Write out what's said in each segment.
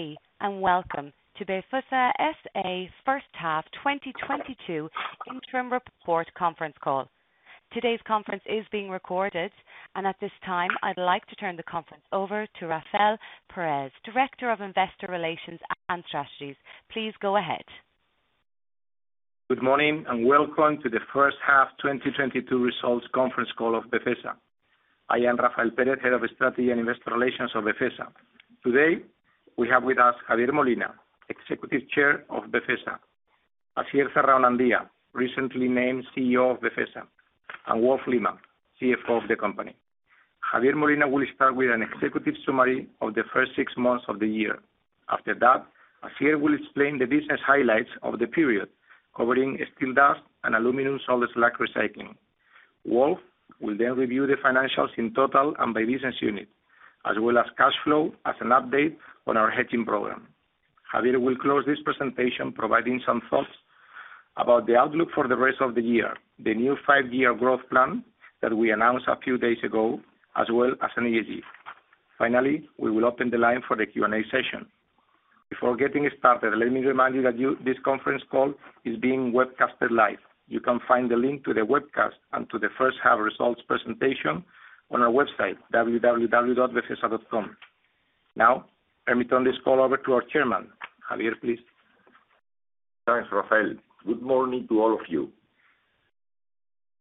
Good day and welcome to Befesa SA first half 2022 interim report conference call. Today's conference is being recorded. At this time, I'd like to turn the conference over to Rafael Pérez, Director of Investor Relations and Strategy. Please go ahead. Good morning and welcome to the first half 2022 results conference call of Befesa. I am Rafael Pérez, Head of Strategy and Investor Relations of Befesa. Today, we have with us Javier Molina, Executive Chair of Befesa. Asier Zarraonandia, recently named CEO of Befesa, and Wolf Lehmann, CFO of the company. Javier Molina Montes will start with an executive summary of the first six months of the year. After that, Asier will explain the business highlights of the period, covering Steel Dust, and Aluminium Salt Slag Recycling. Wolf will then review the financials in total and by business unit, as well as cash flow and an update on our hedging program. Javier will close this presentation, providing some thoughts about the outlook for the rest of the year, the new five-year growth plan that we announced a few days ago, as well as an ESG. Finally, we will open the line for the Q&A session. Before getting started, let me remind you that this conference call is being webcasted live. You can find the link to the webcast and to the first half results presentation on our website, www.befesa.com. Now, let me turn this call over to our chairman. Javier, please. Thanks, Rafael. Good morning to all of you.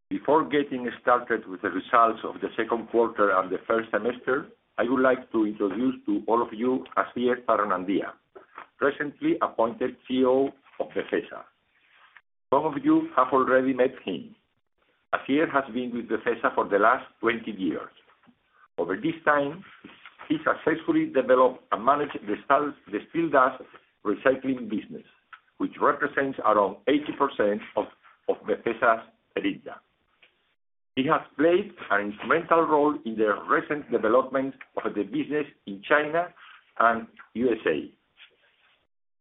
Before getting started with the results of the second quarter and the first semester, I would like to introduce to all of you Asier Zarraonandia, recently appointed CEO of Befesa. Some of you have already met him. Asier has been with Befesa for the last 20 years. Over this time, he successfully developed and managed the Steel Dust Recycling business, which represents around 80% of Befesa's EBITDA. He has played an instrumental role in the recent development of the business in China and USA.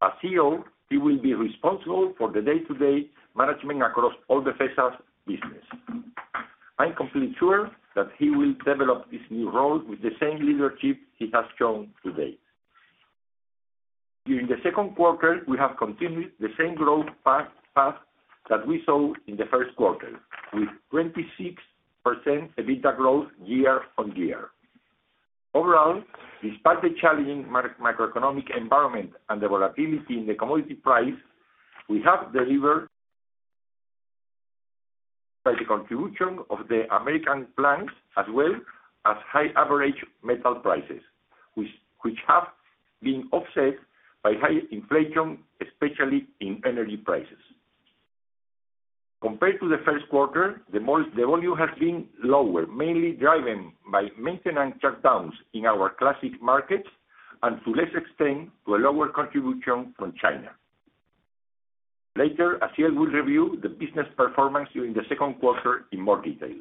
As CEO, he will be responsible for the day-to-day management across all Befesa's business. I'm completely sure that he will develop this new role with the same leadership he has shown to date. During the second quarter, we have continued the same growth path that we saw in the first quarter, with 26% EBITDA growth year-on-year. Overall, despite the challenging macroeconomic environment and the volatility in the commodity price, we have delivered by the contribution of the American plants, as well as high average metal prices, which have been offset by high inflation, especially in energy prices. Compared to the first quarter, the volume has been lower, mainly driven by maintenance shutdowns in our classic markets, and, to a lesser extent, a lower contribution from China. Later, Asier will review the business performance during the second quarter in more detail.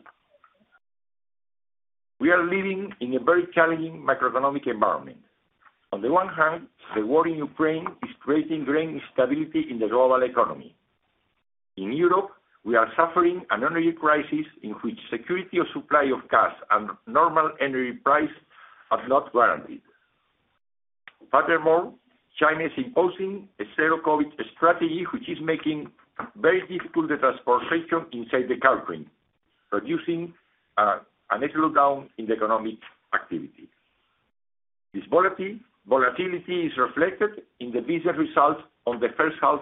We are living in a very challenging macroeconomic environment. On the one hand, the war in Ukraine is creating great instability in the global economy. In Europe, we are suffering an energy crisis in which security of supply of gas and normal energy price are not guaranteed. Furthermore, China is imposing a zero-COVID strategy, which is making very difficult the transportation inside the country, producing an economic slowdown in the economic activity. This volatility is reflected in the business results on the first half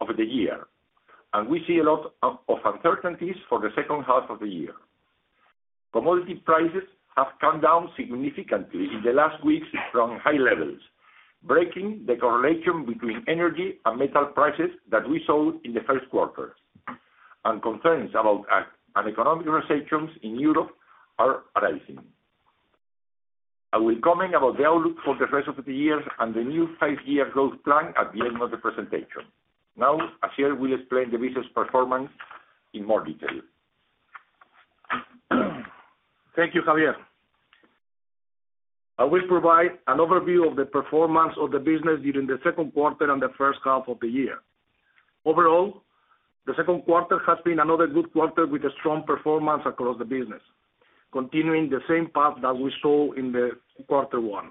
of the year. We see a lot of uncertainties for the second half of the year. Commodity prices have come down significantly in the last weeks from high levels, breaking the correlation between energy and metal prices that we saw in the first quarter. Concerns about an economic recessions in Europe are arising. I will comment about the outlook for the rest of the year and the new five-year growth plan at the end of the presentation. Now, Asier will explain the business performance in more detail. Thank you, Javier. I will provide an overview of the performance of the business during the second quarter and the first half of the year. Overall, the second quarter has been another good quarter with a strong performance across the business, continuing the same path that we saw in the quarter one.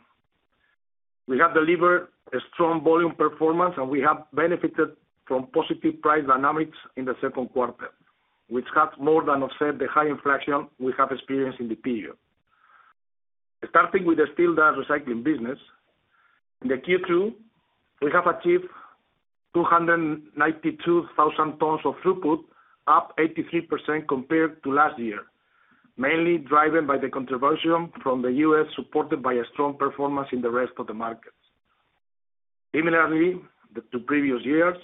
We have delivered a strong volume performance, and we have benefited from positive price dynamics in the second quarter, which has more than offset the high inflation we have experienced in the period. Starting with the Steel Dust Recycling business. In the Q2, we have achieved 292,000 tons of throughput, up 83% compared to last year, mainly driven by the contribution from the U.S., supported by a strong performance in the rest of the markets. Similarly, the two previous years,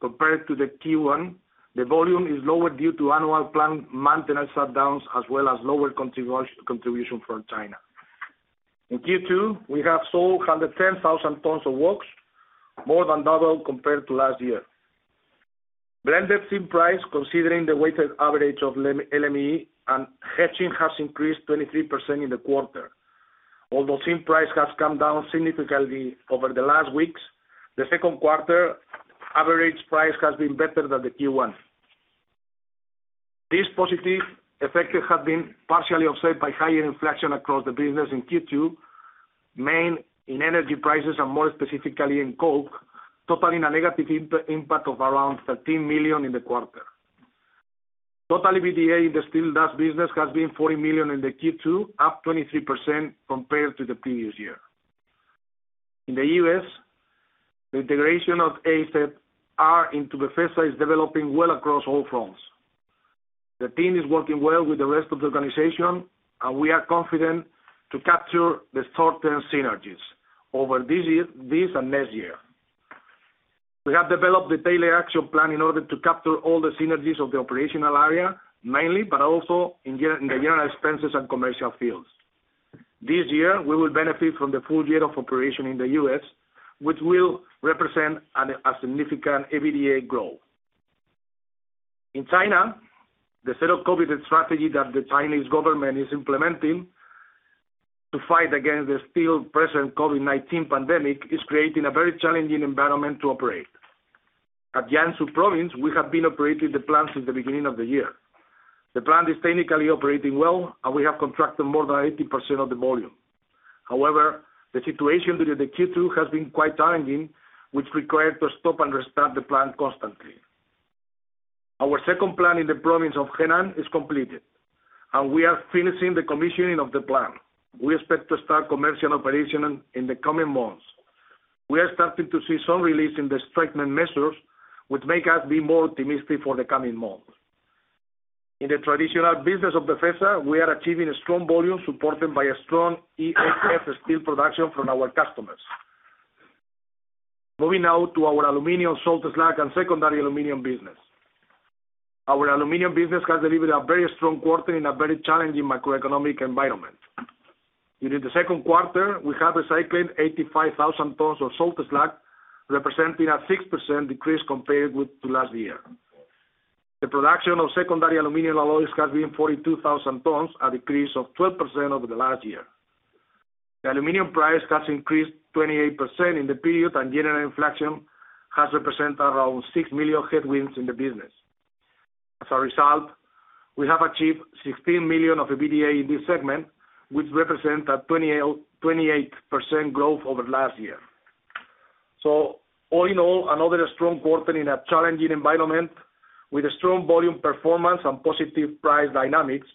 compared to the Q1, the volume is lower due to annual plant maintenance shutdowns, as well as lower contribution from China. In Q2, we have sold 110,000 tons of coke, more than double compared to last year. Blended tin price, considering the weighted average of LME and hedging has increased 23% in the quarter. Although tin price has come down significantly over the last weeks, the second quarter average price has been better than the Q1. This positive effect has been partially offset by higher inflation across the business in Q2, mainly in energy prices and more specifically in coke, totaling a negative impact of around 13 million in the quarter. Total EBITDA in the steel dust business has been 40 million in the Q2, up 23% compared to the previous year. In the U.S., the integration of AZR into Befesa is developing well across all fronts. The team is working well with the rest of the organization, and we are confident to capture the short-term synergies over this and next year. We have developed the daily action plan in order to capture all the synergies of the operational area, mainly, but also in the general expenses and commercial fields. This year, we will benefit from the full year of operation in the U.S., which will represent a significant EBITDA growth. In China, the zero-COVID strategy that the Chinese government is implementing to fight against the still present COVID-19 pandemic is creating a very challenging environment to operate. In Jiangsu Province, we have been operating the plant since the beginning of the year. The plant is technically operating well, and we have contracted more than 80% of the volume. However, the situation during the Q2 has been quite challenging, which required to stop and restart the plant constantly. Our second plant in the province of Henan is completed, and we are finishing the commissioning of the plant. We expect to start commercial operation in the coming months. We are starting to see some release in the strictest measures, which make us be more optimistic for the coming months. In the traditional business of Befesa, we are achieving strong volumes supported by a strong EAF steel production from our customers. Moving now to our Aluminium Salt Slag and secondary aluminium business. Our aluminium business has delivered a very strong quarter in a very challenging macroeconomic environment. During the second quarter, we have recycled 85,000 tons of salt slag, representing a 6% decrease compared to last year. The production of secondary aluminium alloys has been 42,000 tons, a decrease of 12% over the last year. The aluminium price has increased 28% in the period, and general inflation has represented around 6 million headwinds in the business. As a result, we have achieved 16 million of EBITDA in this segment, which represent a 28% growth over last year. All in all, another strong quarter in a challenging environment with a strong volume performance and positive price dynamics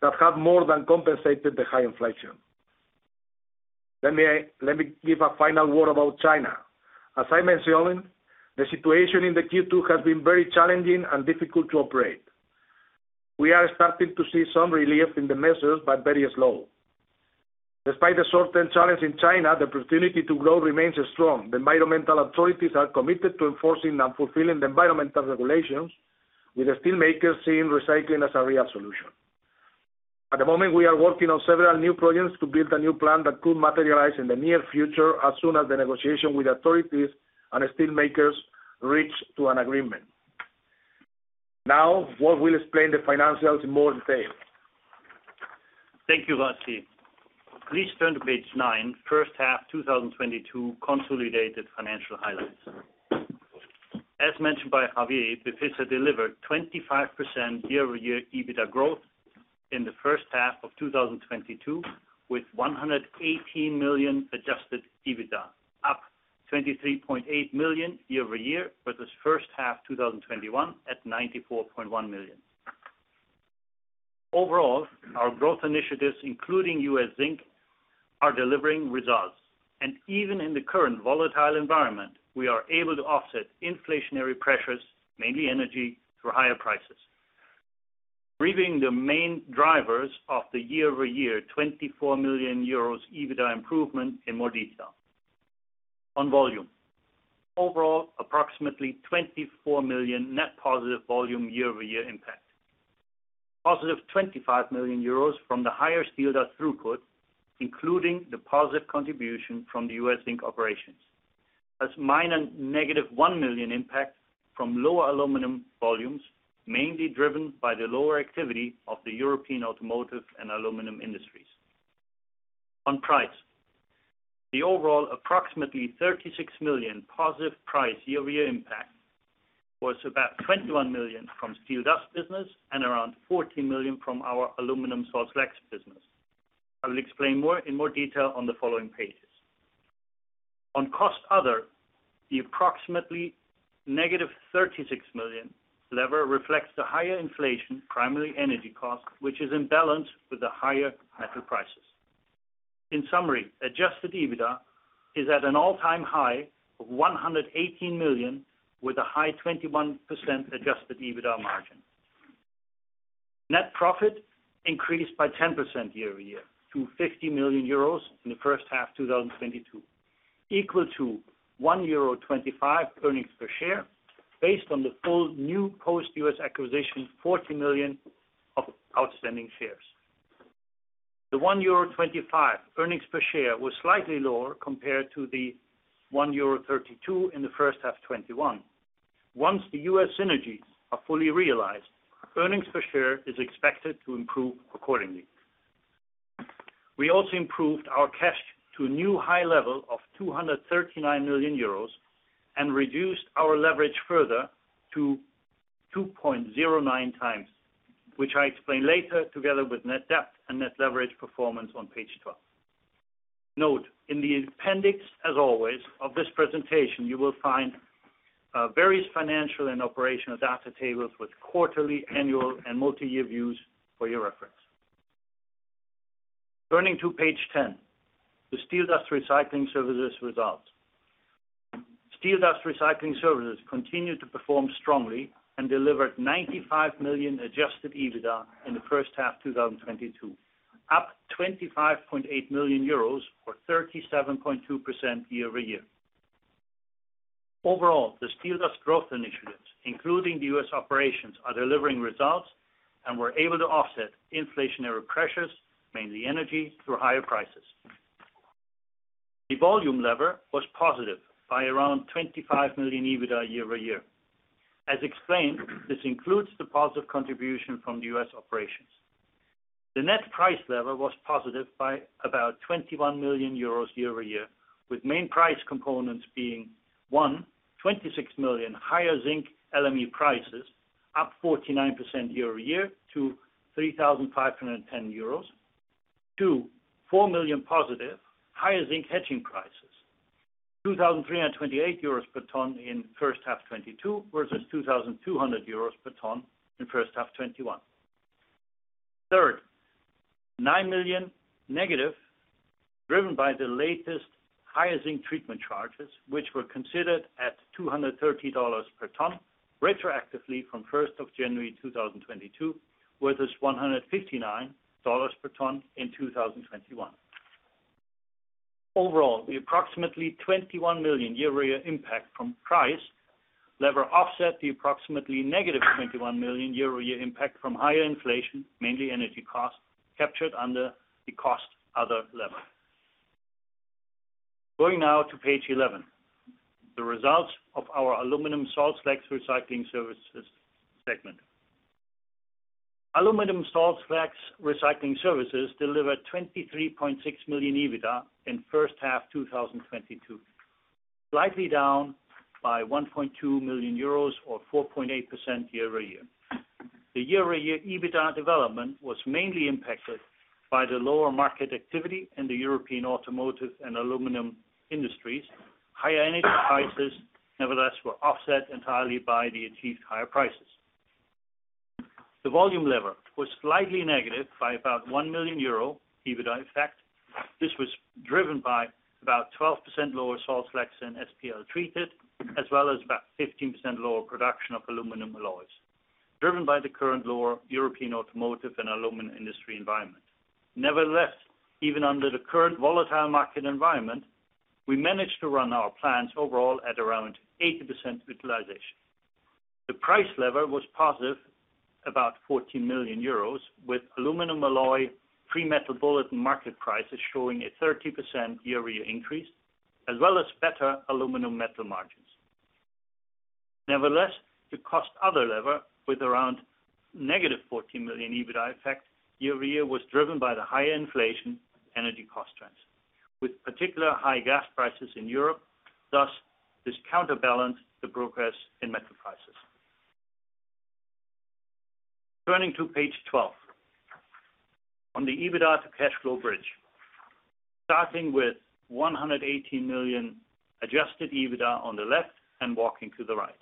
that have more than compensated the high inflation. Let me give a final word about China. As I mentioned, the situation in the Q2 has been very challenging and difficult to operate. We are starting to see some relief in the measures, but very slow. Despite the short-term challenge in China, the opportunity to grow remains strong. The environmental authorities are committed to enforcing and fulfilling the environmental regulations, with the steel makers seeing recycling as a real solution. At the moment, we are working on several new projects to build a new plant that could materialize in the near future as soon as the negotiation with authorities and steel makers reach to an agreement. Now, Wolf Lehmann will explain the financials in more detail. Thank you, Asier. Please turn to page 9, first half 2022 consolidated financial highlights. As mentioned by Javier, Befesa delivered 25% year-over-year EBITDA growth in the first half of 2022, with 118 million adjusted EBITDA, up 23.8 million year-over-year versus first half 2021 at 94.1 million. Overall, our growth initiatives, including U.S. Zinc, are delivering results. Even in the current volatile environment, we are able to offset inflationary pressures, mainly energy, through higher prices. Reviewing the main drivers of the year-over-year 24 million euros EBITDA improvement in more detail. On volume, overall, approximately 24 million net positive volume year-over-year impact. +25 million euros from the higher steel dust throughput, including the positive contribution from the U.S. Zinc operations. A -1 million impact from lower aluminium volumes, mainly driven by the lower activity of the European automotive and aluminium industries. On price, the overall approximately 36 million positive price year-over-year impact was about 21 million from Steel Dust business and around 14 million from our Aluminium Salt Slag business. I will explain more in more detail on the following pages. On other costs, the approximately -36 million impact reflects the higher inflation, primarily energy cost, which is in balance with the higher metal prices. In summary, adjusted EBITDA is at an all-time high of 118 million, with a high 21% adjusted EBITDA margin. Net profit increased by 10% year-over-year to 50 million euros in the first half of 2022, equal to 1.25 euro earnings per share based on the full new post U.S. acquisition, 40 million of outstanding shares. The 1.25 euro earnings per share was slightly lower compared to the 1.32 euro in the first half 2021. Once the U.S. synergies are fully realized, earnings per share is expected to improve accordingly. We also improved our cash to a new high level of 239 million euros and reduced our leverage further to 2.09x, which I explain later together with net debt and net leverage performance on page 12. Note, in the appendix, as always, of this presentation, you will find various financial and operational data tables with quarterly, annual and multi-year views for your reference. Turning to page 10, the Steel Dust Recycling Services results. Steel Dust Recycling Services continued to perform strongly and delivered 95 million adjusted EBITDA in the first half 2022, up 25.8 million euros or 37.2% year-over-year. Overall, the Steel Dust growth initiatives, including the U.S. operations, are delivering results, and we're able to offset inflationary pressures, mainly energy, through higher prices. The volume lever was positive by around 25 million EBITDA year-over-year. As explained, this includes the positive contribution from the U.S. operations. The net price level was positive by about 21 million euros year-over-year, with main price components being, one, 26 million higher zinc LME prices, up 49% year-over-year to 3,510 euros. Two, 4 million positive higher zinc hedging prices, 2,328 euros per ton in first half 2022 versus 2,200 euros per ton in first half 2021. 9 million negative, driven by the latest higher zinc treatment charges, which were considered at $230 per ton, retroactively from 1st of January 2022, versus $159 per ton in 2021. Overall, the approximately 21 million year-over-year impact from price lever offset the approximately -21 million year-over-year impact from higher inflation, mainly energy costs, captured under the cost other lever. Going now to page 11, the results of our Aluminium Salt Slags Recycling Services segment. Aluminium Salt Slags Recycling Services delivered 23.6 million EBITDA in first half 2022, slightly down by 1.2 million euros or 4.8% year-over-year. The year-over-year EBITDA development was mainly impacted by the lower market activity in the European automotive and aluminium industries. Higher energy prices, nevertheless, were offset entirely by the achieved higher prices. The volume lever was slightly negative by about 1 million euro EBITDA effect. This was driven by about 12% lower salt slags and SPL treated, as well as about 15% lower production of aluminium alloys, driven by the current lower European automotive and aluminium industry environment. Nevertheless, even under the current volatile market environment, we managed to run our plants overall at around 80% utilization. The price lever was positive, about 14 million euros, with aluminium alloy pre-Metal Bulletin market prices showing a 30% year-over-year increase, as well as better aluminium metal margins. Nevertheless, the cost other lever, with around -14 million EBITDA effect year-over-year, was driven by the higher inflation energy cost trends, with particularly high gas prices in Europe, thus this counterbalanced the progress in metal prices. Turning to page 12. On the EBITDA to cash flow bridge, starting with 118 million adjusted EBITDA on the left and walking to the right.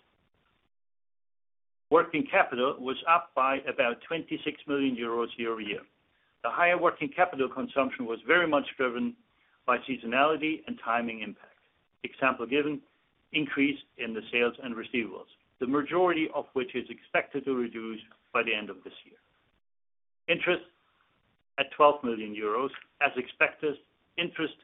Working capital was up by about 26 million euros year-over-year. The higher working capital consumption was very much driven by seasonality and timing impact. For example, the increase in the sales and receivables, the majority of which is expected to reduce by the end of this year. Interest at 12 million euros. As expected, interest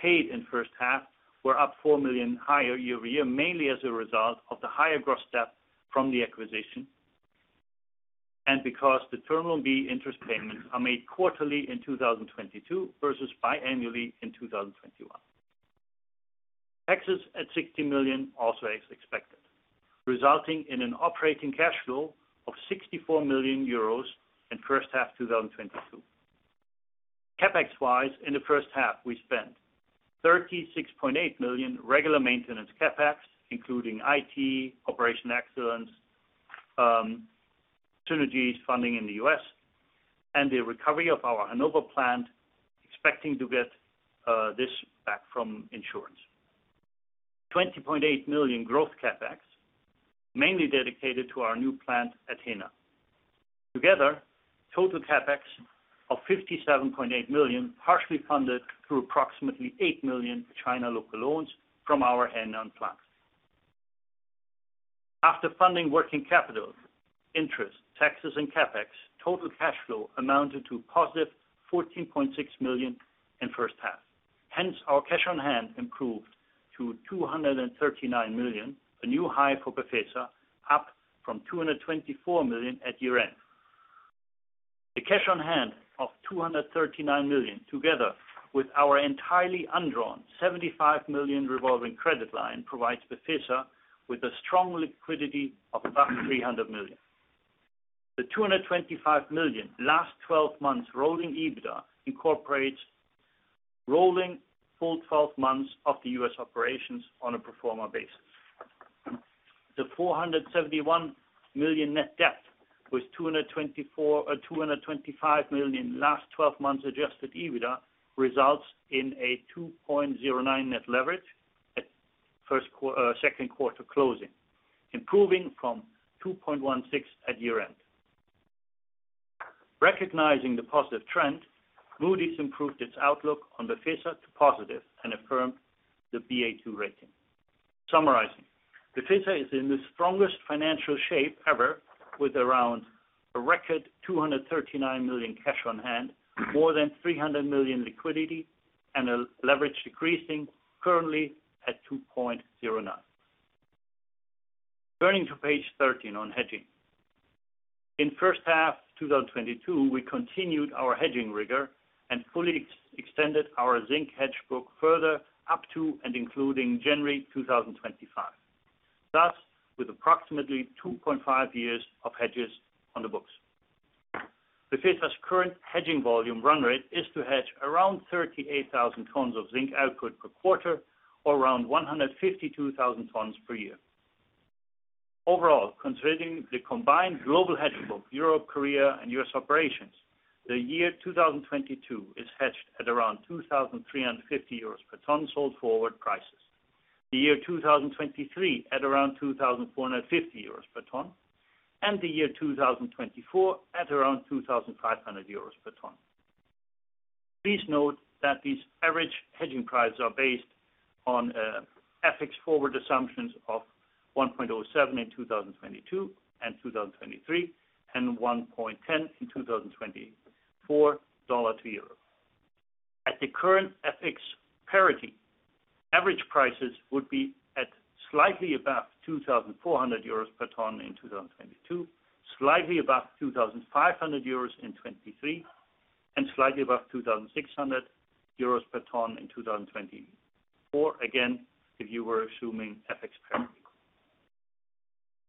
paid in first half were up 4 million higher year-over-year, mainly as a result of the higher gross debt from the acquisition and because the Term Loan B interest payments are made quarterly in 2022 versus biannually in 2021. Taxes at 60 million, also as expected, resulting in an operating cash flow of 64 million euros in first half 2022. CapEx-wise, in the first half, we spent 36.8 million regular maintenance CapEx, including IT, operational excellence, synergies funding in the U.S., and the recovery of our Hanover plant, expecting to get this back from insurance. 20.8 million growth CapEx, mainly dedicated to our new plant at Henan. Together, total CapEx of 57.8 million, partially funded through approximately 8 million China local loans from our Henan plant. After funding working capital, interest, taxes, and CapEx, total cash flow amounted to positive 14.6 million in first half. Hence, our cash on hand improved to 239 million, a new high for Befesa, up from 224 million at year-end. The cash on hand of 239 million, together with our entirely undrawn 75 million revolving credit line, provides Befesa with a strong liquidity of above 300 million. The 225 million last 12 months rolling EBITDA incorporates rolling full 12 months of the U.S. operations on a pro forma basis. The 471 million net debt with 225 million last 12 months adjusted EBITDA results in a 2.09 net leverage at second quarter closing, improving from 2.16 at year-end. Recognizing the positive trend, Moody's improved its outlook on Befesa to positive and affirmed the Ba2 rating. Summarizing, Befesa is in the strongest financial shape ever, with around a record 239 million cash on hand, more than 300 million liquidity, and a leverage decreasing currently at 2.09. Turning to page 13 on hedging. In first half 2022, we continued our hedging rigor and fully extended our zinc hedge book further up to and including January 2025, thus with approximately 2.5 years of hedges on the books. Befesa's current hedging volume run rate is to hedge around 38,000 tons of zinc output per quarter or around 152,000 tons per year. Overall, considering the combined global hedge book, Europe, Korea, and U.S. operations, the year 2022 is hedged at around 2,350 euros per ton sold forward prices. The year 2023 at around 2,450 euros per ton, and the year 2024 at around 2,500 euros per ton. Please note that these average hedging prices are based on FX forward assumptions of 1.07 USD in 2022 and 2023, and 1.10 USD in 2024 dollar to euro. At the current FX parity, average prices would be at slightly above 2,400 euros per ton in 2022, slightly above 2,500 euros in 2023, and slightly above 2,600 euros per ton in 2024, again, if you were assuming FX parity.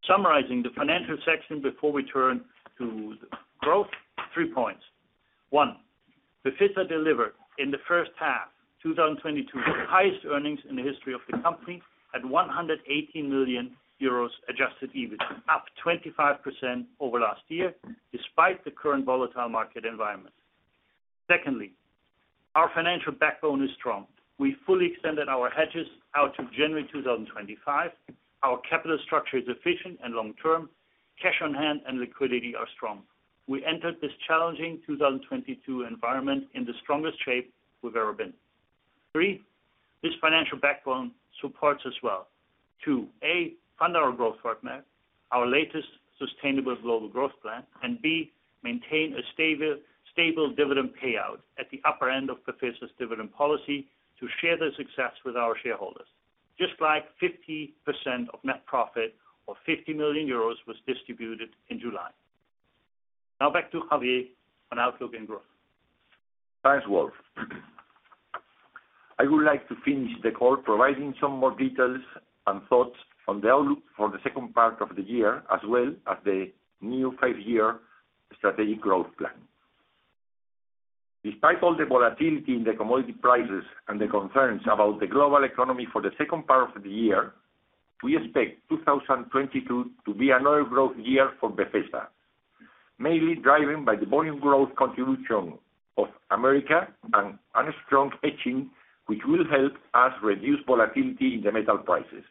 Summarizing the financial section before we turn to growth, three points. One, Befesa delivered in the first half 2022, the highest earnings in the history of the company at 118 million euros adjusted EBIT, up 25% over last year, despite the current volatile market environment. Secondly, our financial backbone is strong. We fully extended our hedges out to January 2025. Our capital structure is efficient and long-term. Cash on hand and liquidity are strong. We entered this challenging 2022 environment in the strongest shape we've ever been. Three, this financial backbone supports us well to, A, fund our growth partner, our latest sustainable global growth plan, and B, maintain a stable dividend payout at the upper end of Befesa's dividend policy to share the success with our shareholders. Just like 50% of net profit or 50 million euros was distributed in July. Now back to Javier on outlook and growth. Thanks, Wolf. I would like to finish the call providing some more details and thoughts on the outlook for the second part of the year, as well as the new five-year strategic growth plan. Despite all the volatility in the commodity prices and the concerns about the global economy for the second part of the year, we expect 2022 to be another growth year for Befesa, mainly driven by the volume growth contribution of American and a strong hedging, which will help us reduce volatility in the metal prices.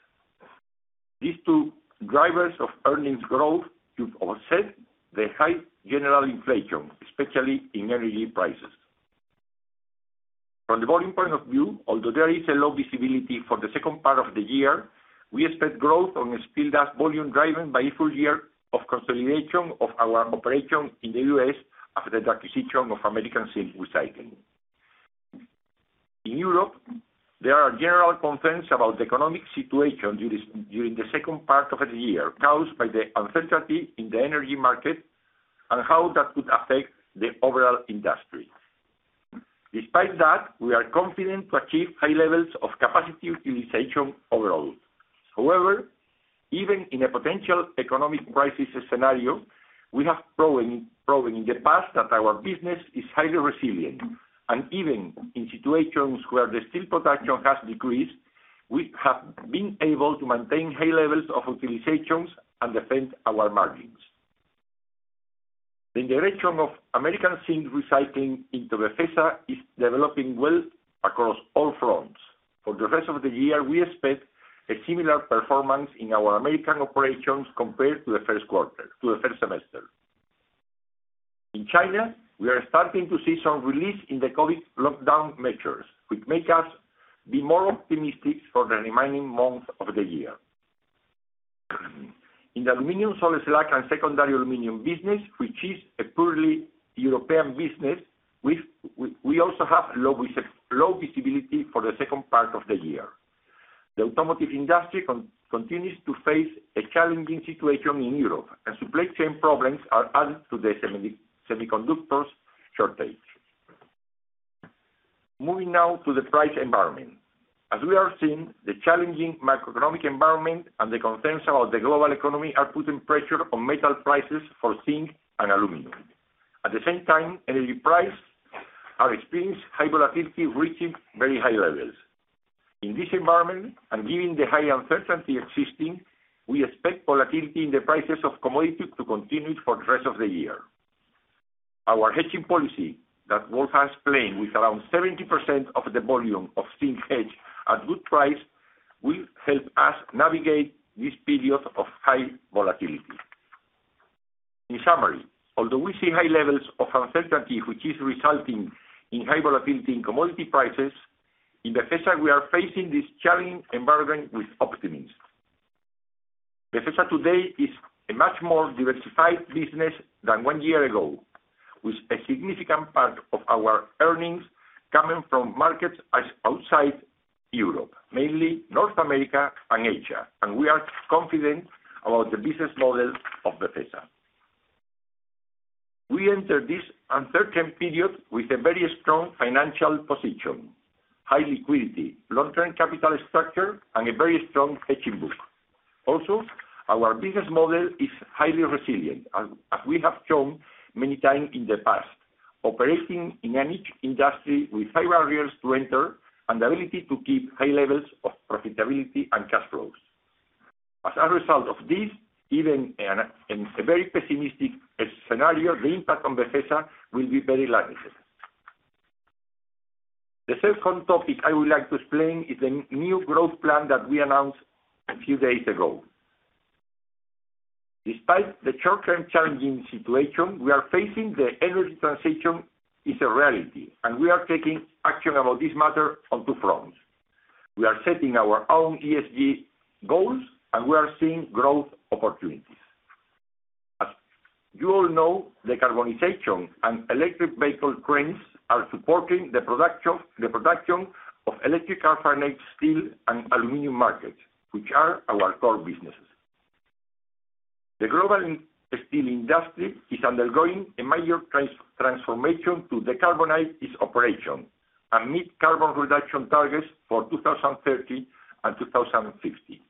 These two drivers of earnings growth to offset the high general inflation, especially in energy prices. From the volume point of view, although there is a low visibility for the second part of the year, we expect growth on a steel dust volume driven by a full year of consolidation of our operation in the U.S. after the acquisition of American Zinc Recycling. In Europe, there are general concerns about the economic situation during the second part of the year caused by the uncertainty in the energy market and how that could affect the overall industry. Despite that, we are confident to achieve high levels of capacity utilization overall. However, even in a potential economic crisis scenario, we have proven in the past that our business is highly resilient. Even in situations where the steel production has decreased, we have been able to maintain high levels of utilizations and defend our margins. The integration of American Zinc Recycling into Befesa is developing well across all fronts. For the rest of the year, we expect a similar performance in our American operations compared to the first quarter, to the first semester. In China, we are starting to see some release in the COVID lockdown measures, which make us be more optimistic for the remaining months of the year. In the aluminium salt slag and secondary aluminium business, which is a purely European business, we also have low visibility for the second part of the year. The automotive industry continues to face a challenging situation in Europe, and supply chain problems are added to the semiconductor shortage. Moving now to the price environment. As we are seeing, the challenging macroeconomic environment and the concerns about the global economy are putting pressure on metal prices for zinc and aluminium. At the same time, energy prices are experiencing high volatility, reaching very high levels. In this environment, given the high uncertainty existing, we expect volatility in the prices of commodities to continue for the rest of the year. Our hedging policy that Wolf has explained, with around 70% of the volume of zinc hedged at good prices, will help us navigate this period of high volatility. In summary, although we see high levels of uncertainty, which is resulting in high volatility in commodity prices, in Befesa, we are facing this challenging environment with optimism. Befesa today is a much more diversified business than one year ago, with a significant part of our earnings coming from markets outside Europe, mainly North America and Asia, and we are confident about the business model of Befesa. We enter this uncertain period with a very strong financial position, high liquidity, long-term capital structure, and a very strong hedging book. Also, our business model is highly resilient, as we have shown many times in the past, operating in a niche industry with high barriers to enter and the ability to keep high levels of profitability and cash flows. As a result of this, even in a very pessimistic scenario, the impact on Befesa will be very limited. The second topic I would like to explain is the new growth plan that we announced a few days ago. Despite the short-term challenging situation we are facing, the energy transition is a reality, and we are taking action about this matter on two fronts. We are setting our own ESG goals, and we are seeing growth opportunities. As you all know, the carbonization and electric vehicle trends are supporting the production of electric arc furnace steel and aluminium markets, which are our core businesses. The global steel industry is undergoing a major transformation to decarbonize its operation and meet carbon reduction targets for 2030 and 2060.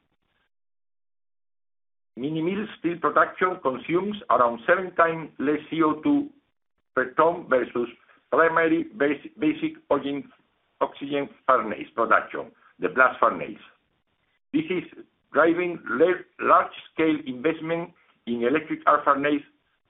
Mini mill steel production consumes around seven times less CO2 per ton versus primary basic oxygen furnace production, the blast furnace. This is driving large scale investment in electric arc furnace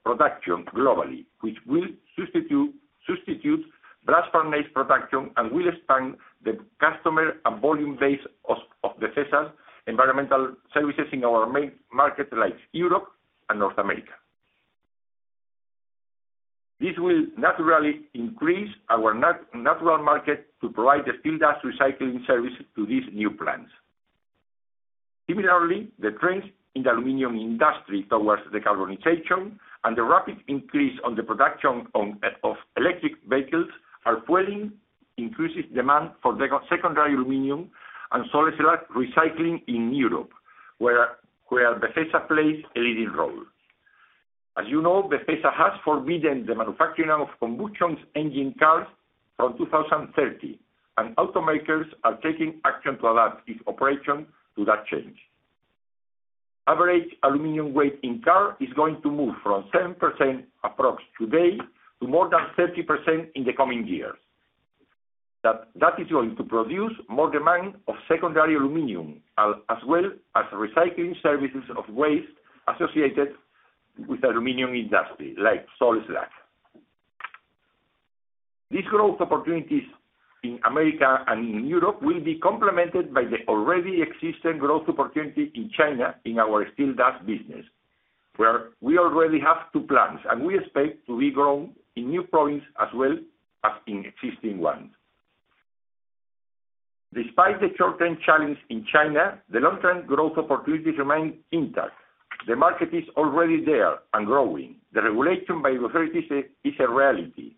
production globally, which will substitute blast furnace production and will expand the customer and volume base of Befesa's environmental services in our main market, like Europe and North America. This will naturally increase our natural market to provide the steel dust recycling service to these new plants. Similarly, the trends in the aluminium industry towards decarbonization and the rapid increase in the production of electric vehicles are fueling increased demand for secondary aluminium and salt slag recycling in Europe, where Befesa plays a leading role. As you know, the EU has forbidden the manufacturing of combustion engine cars from 2030, and automakers are taking action to adapt their operations to that change. Average aluminium weight in cars is going to move from 7% approx today to more than 30% in the coming years. That is going to produce more demand of secondary aluminium, as well as recycling services of waste associated with the aluminium industry, like salt slag. These growth opportunities in America and in Europe will be complemented by the already existing growth opportunity in China in our Steel Dust business, where we already have two plants, and we expect to be growing in new provinces as well as in existing ones. Despite the short-term challenge in China, the long-term growth opportunities remain intact. The market is already there and growing. The regulation by authorities is a reality.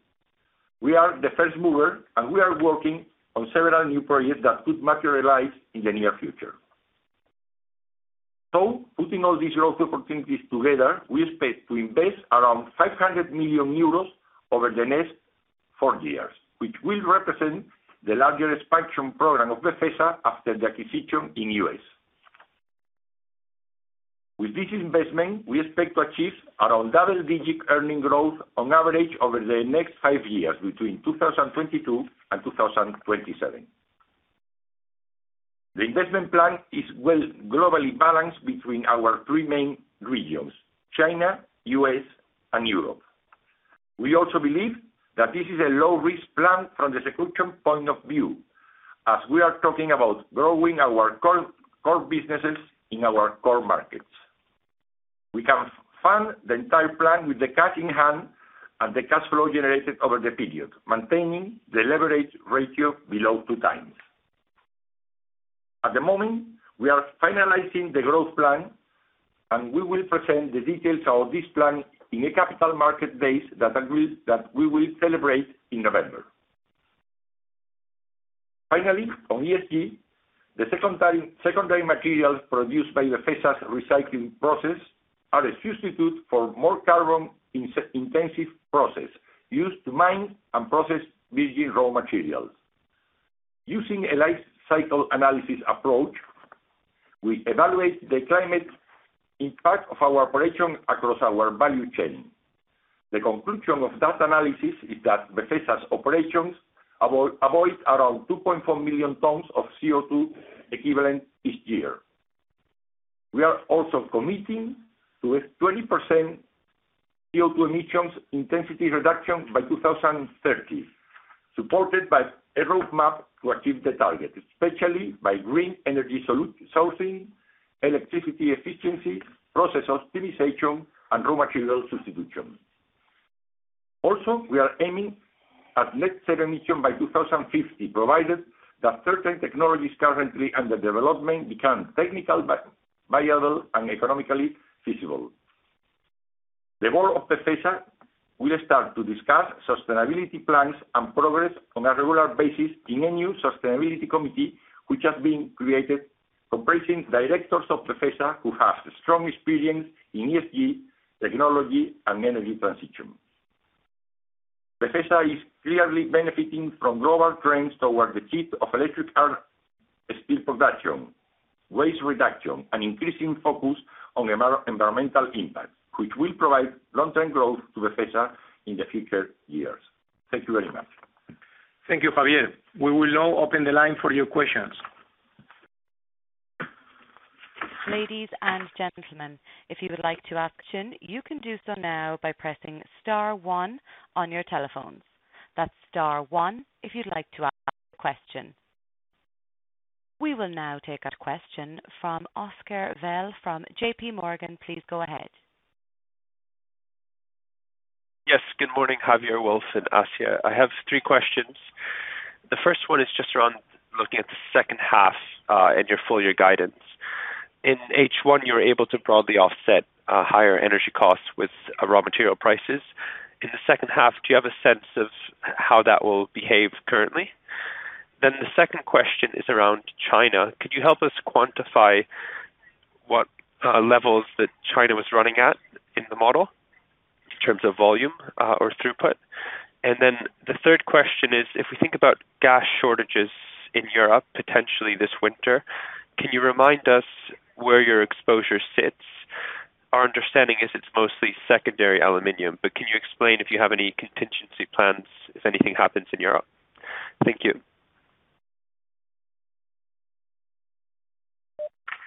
We are the first mover, and we are working on several new projects that could materialize in the near future. Putting all these growth opportunities together, we expect to invest around 500 million euros over the next four years, which will represent the largest expansion program of Befesa after the acquisition in U.S. With this investment, we expect to achieve around double-digit earnings growth on average over the next five years, between 2022 and 2027. The investment plan is well globally balanced between our three main regions, China, U.S., and Europe. We also believe that this is a low-risk plan from the execution point of view, as we are talking about growing our core businesses in our core markets. We can fund the entire plan with the cash in hand and the cash flow generated over the period, maintaining the leverage ratio below 2x. At the moment, we are finalizing the growth plan, and we will present the details of this plan in a Capital Markets Day that we will celebrate in November. Finally, on ESG, the secondary materials produced by Befesa's recycling process are a substitute for more carbon-intensive processes used to mine and process virgin raw materials. Using a life cycle analysis approach, we evaluate the climate impact of our operations across our value chain. The conclusion of that analysis is that Befesa's operations avoid around 2.4 million tons of CO2 equivalent each year. We are also committing to a 20% CO2 emissions intensity reduction by 2030, supported by a roadmap to achieve the target, especially by green energy sourcing, electricity efficiency, process optimization, and raw material substitution. Also, we are aiming at net zero emission by 2050, provided that certain technologies currently under development become technical, viable, and economically feasible. The board of Befesa will start to discuss sustainability plans and progress on a regular basis in a new sustainability committee, which has been created comprising directors of Befesa who have strong experience in ESG, technology, and energy transition. Befesa is clearly benefiting from global trends toward the shift of electric arc furnace steel production, waste reduction, and increasing focus on environmental impact, which will provide long-term growth to Befesa in the future years. Thank you very much. Thank you, Javier. We will now open the line for your questions. Ladies and gentlemen, if you would like to ask a question, you can do so now by pressing star one on your telephones. That's star one if you'd like to ask a question. We will now take a question from Oscar Val from J.P. Morgan. Please go ahead. Yes. Good morning, Javier, Wolf, Asier. I have three questions. The first one is just around looking at the second half, and your full year guidance. In H1, you're able to broadly offset higher energy costs with raw material prices. In the second half, do you have a sense of how that will behave currently? Then the second question is around China. Could you help us quantify what levels that China was running at in the model in terms of volume or throughput? And then the third question is, if we think about gas shortages in Europe, potentially this winter, can you remind us where your exposure sits? Our understanding is it's mostly secondary aluminium, but can you explain if you have any contingency plans if anything happens in Europe? Thank you.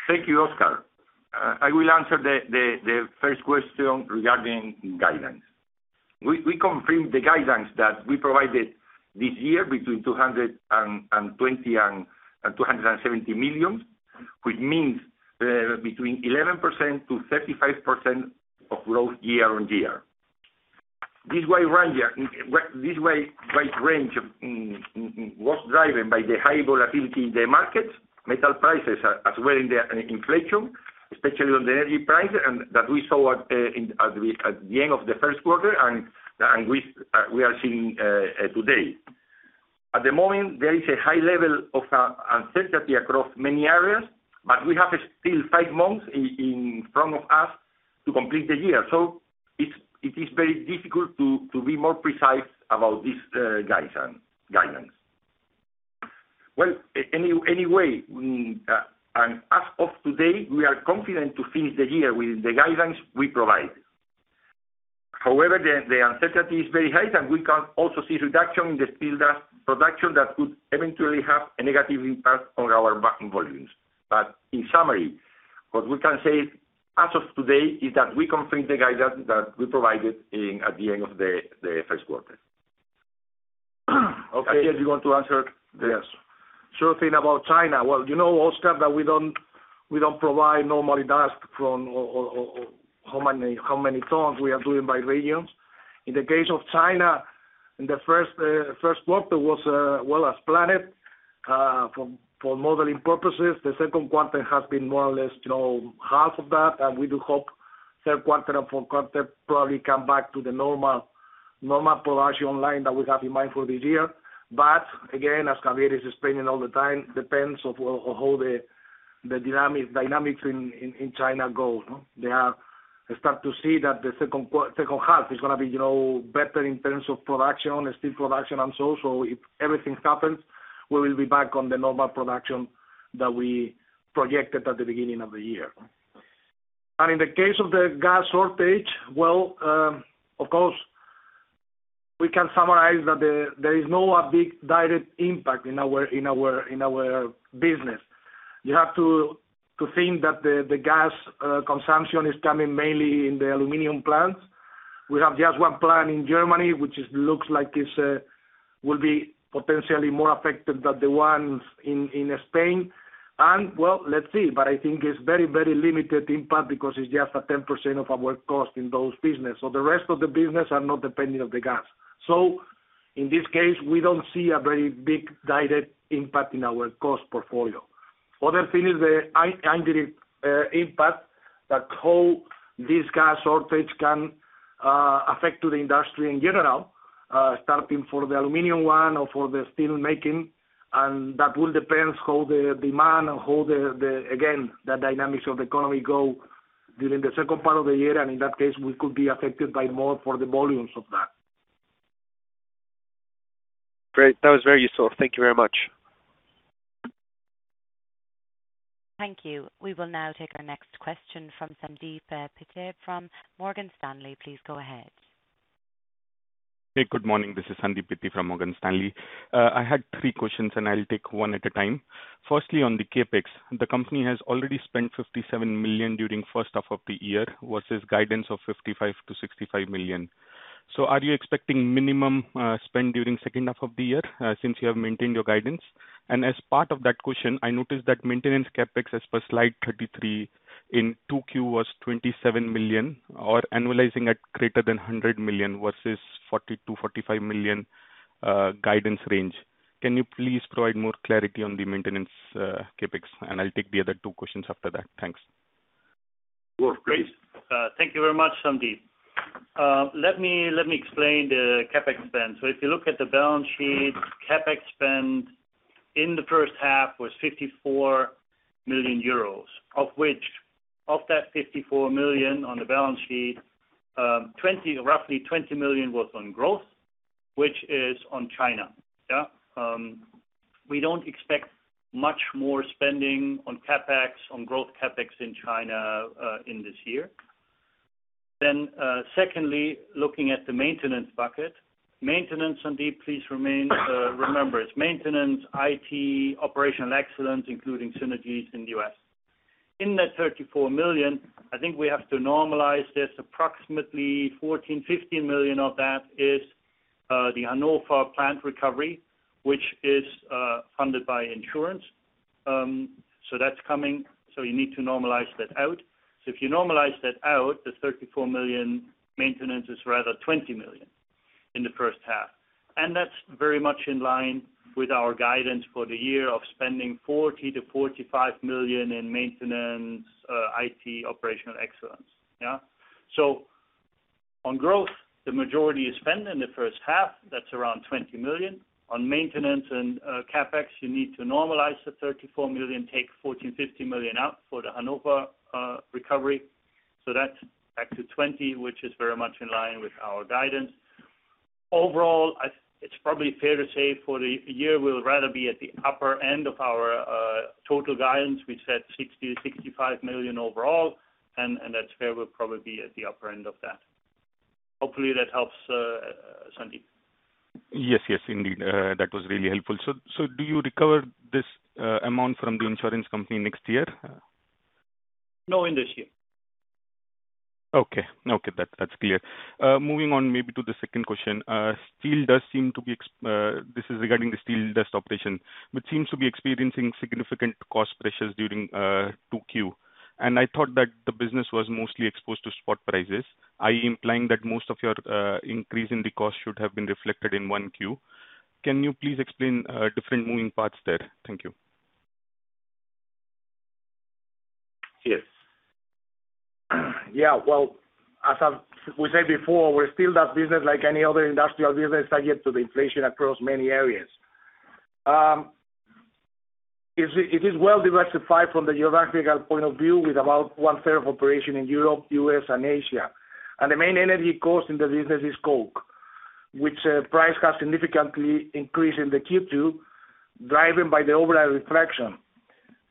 Thank you, Oscar. I will answer the first question regarding guidance. We confirm the guidance that we provided this year between 220 million and 270 million, which means between 11%-35% of growth year-on-year. This wide range was driven by the high volatility in the markets, metal prices, as well as in the inflation, especially on the energy price, and that we saw at the end of the first quarter and we are seeing today. At the moment, there is a high level of uncertainty across many areas, but we have still five months in front of us to complete the year. It is very difficult to be more precise about this guidance. As of today, we are confident to finish the year with the guidance we provide. However, the uncertainty is very high, and we can also see reduction in the steel dust production that could eventually have a negative impact on our volume. In summary, what we can say as of today is that we confirm the guidance that we provided at the end of the first quarter. Asier you want to answer? Okay. Yes. Sure thing about China. You know, Oscar, that we don't provide normally dust from or how many tons we are doing by regions. In the case of China, in the first quarter was as planned for modeling purposes. The second quarter has been more or less, you know, half of that. We do hope third quarter and fourth quarter probably come back to the normal production line that we have in mind for this year. Again, as Javier is explaining all the time, it depends on how the dynamics in China go, no? I start to see that the second half is gonna be, you know, better in terms of production, steel production and so. If everything happens, we will be back on the normal production that we projected at the beginning of the year. In the case of the gas shortage, well, of course, we can summarize that there is no big direct impact in our business. You have to think that the gas consumption is coming mainly in the aluminium plants. We have just one plant in Germany, which looks like it will be potentially more affected than the ones in Spain. Well, let's see. I think it's very limited impact because it's just 10% of our cost in those business. The rest of the business are not depending on the gas. In this case, we don't see a very big direct impact in our cost portfolio. Another thing is the indirect impact that how this gas shortage can affect to the industry in general, starting for the aluminium one or for the steel making. That will depend how the demand and how the dynamics of the economy go during the second part of the year. In that case, we could be affected by more for the volumes of that. Great. That was very useful. Thank you very much. Thank you. We will now take our next question from Sandeep Peety from Morgan Stanley. Please go ahead. Hey, good morning. This is Sandeep Peety from Morgan Stanley. I had three questions, and I'll take one at a time. Firstly, on the CapEx, the company has already spent 57 million during first half of the year versus guidance of 55-65 million. Are you expecting minimum spend during second half of the year, since you have maintained your guidance? As part of that question, I noticed that maintenance CapEx as per slide 33 in 2Q was 27 million, or annualizing at greater than 100 million versus 40-45 million guidance range. Can you please provide more clarity on the maintenance CapEx? I'll take the other two questions after that. Thanks. Sure. Please. Thank you very much, Sandeep. Let me explain the CapEx spend. If you look at the balance sheet, CapEx spend in the first half was 54 million euros, of which, of that 54 million on the balance sheet, roughly 20 million was on growth, which is on China. Yeah. We don't expect much more spending on CapEx, on growth CapEx in China, in this year. Secondly, looking at the maintenance bucket. Maintenance, Sandeep, please remember, it's maintenance, IT, operational excellence, including synergies in the U.S. In that 34 million, I think we have to normalize this. Approximately 14-15 million of that is the Hanover plant recovery, which is funded by insurance. That's coming, so you need to normalize that out. If you normalize that out, the 34 million maintenance is rather 20 million in the first half. That's very much in line with our guidance for the year of spending 40 million-45 million in maintenance, IT, operational excellence. Yeah. On growth, the majority is spent in the first half. That's around 20 million. On maintenance and CapEx, you need to normalize the 34 million, take 14.5 million out for the Hanover recovery. That's back to 20 million, which is very much in line with our guidance. Overall, it's probably fair to say for the year, we'll rather be at the upper end of our total guidance. We said 60 million-65 million overall, and that's where we'll probably be at the upper end of that. Hopefully that helps, Sandeep. Yes, yes, indeed. That was really helpful. Do you recover this amount from the insurance company next year? No, in this year. Okay, that's clear. Moving on maybe to the second question. This is regarding the Steel Dust operation, which seems to be experiencing significant cost pressures during 2Q. I thought that the business was mostly exposed to spot prices. Are you implying that most of your increase in the cost should have been reflected in 1Q? Can you please explain different moving parts there? Thank you. Yes. Yeah, well, as we said before, we're still that business like any other industrial business, target to the inflation across many areas. It is well diversified from the geographical point of view, with about 1/3 of operation in Europe, U.S., and Asia. The main energy cost in the business is coke, whose price has significantly increased in the Q2, driven by the overall inflation.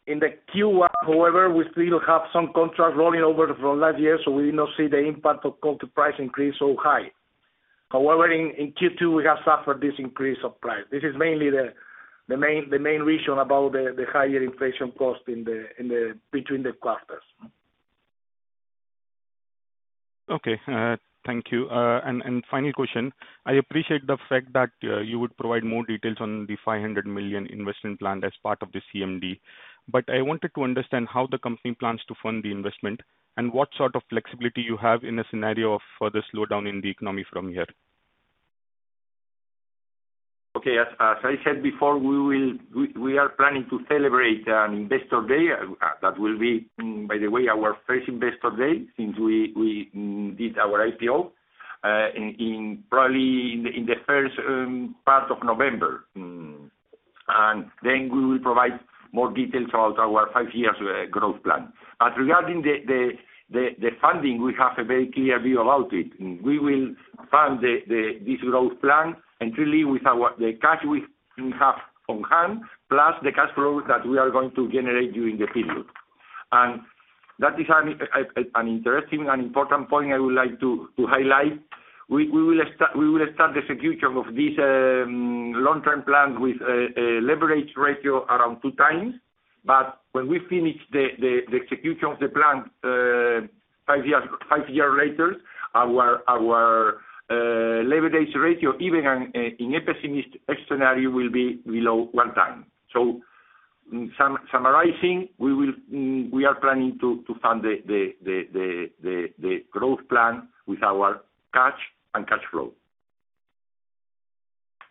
In the Q1, however, we still have some contracts rolling over from last year, so we did not see the impact of coke price increase so high. However, in Q2, we have suffered this increase of price. This is mainly the main reason about the higher inflation cost in between the quarters. Okay. Thank you. Final question. I appreciate the fact that you would provide more details on the 500 million investment plan as part of the CMD, but I wanted to understand how the company plans to fund the investment and what sort of flexibility you have in a scenario of further slowdown in the economy from here. Okay. As I said before, we are planning to celebrate an Investor Day, that will be, by the way, our first Investor Day since we did our IPO, in probably in the 1st, part of November. We will provide more details about our five-year growth plan. Regarding the funding, we have a very clear view about it. We will fund this growth plan entirely with the cash we have on hand, plus the cash flows that we are going to generate during the period. That is an interesting and important point I would like to highlight. We will start the execution of this long-term plan with a leverage ratio around 2x. When we finish the execution of the plan five years later, our leverage ratio, even in a pessimistic scenario, will be below 1x. Summarizing, we are planning to fund the growth plan with our cash and cash flow.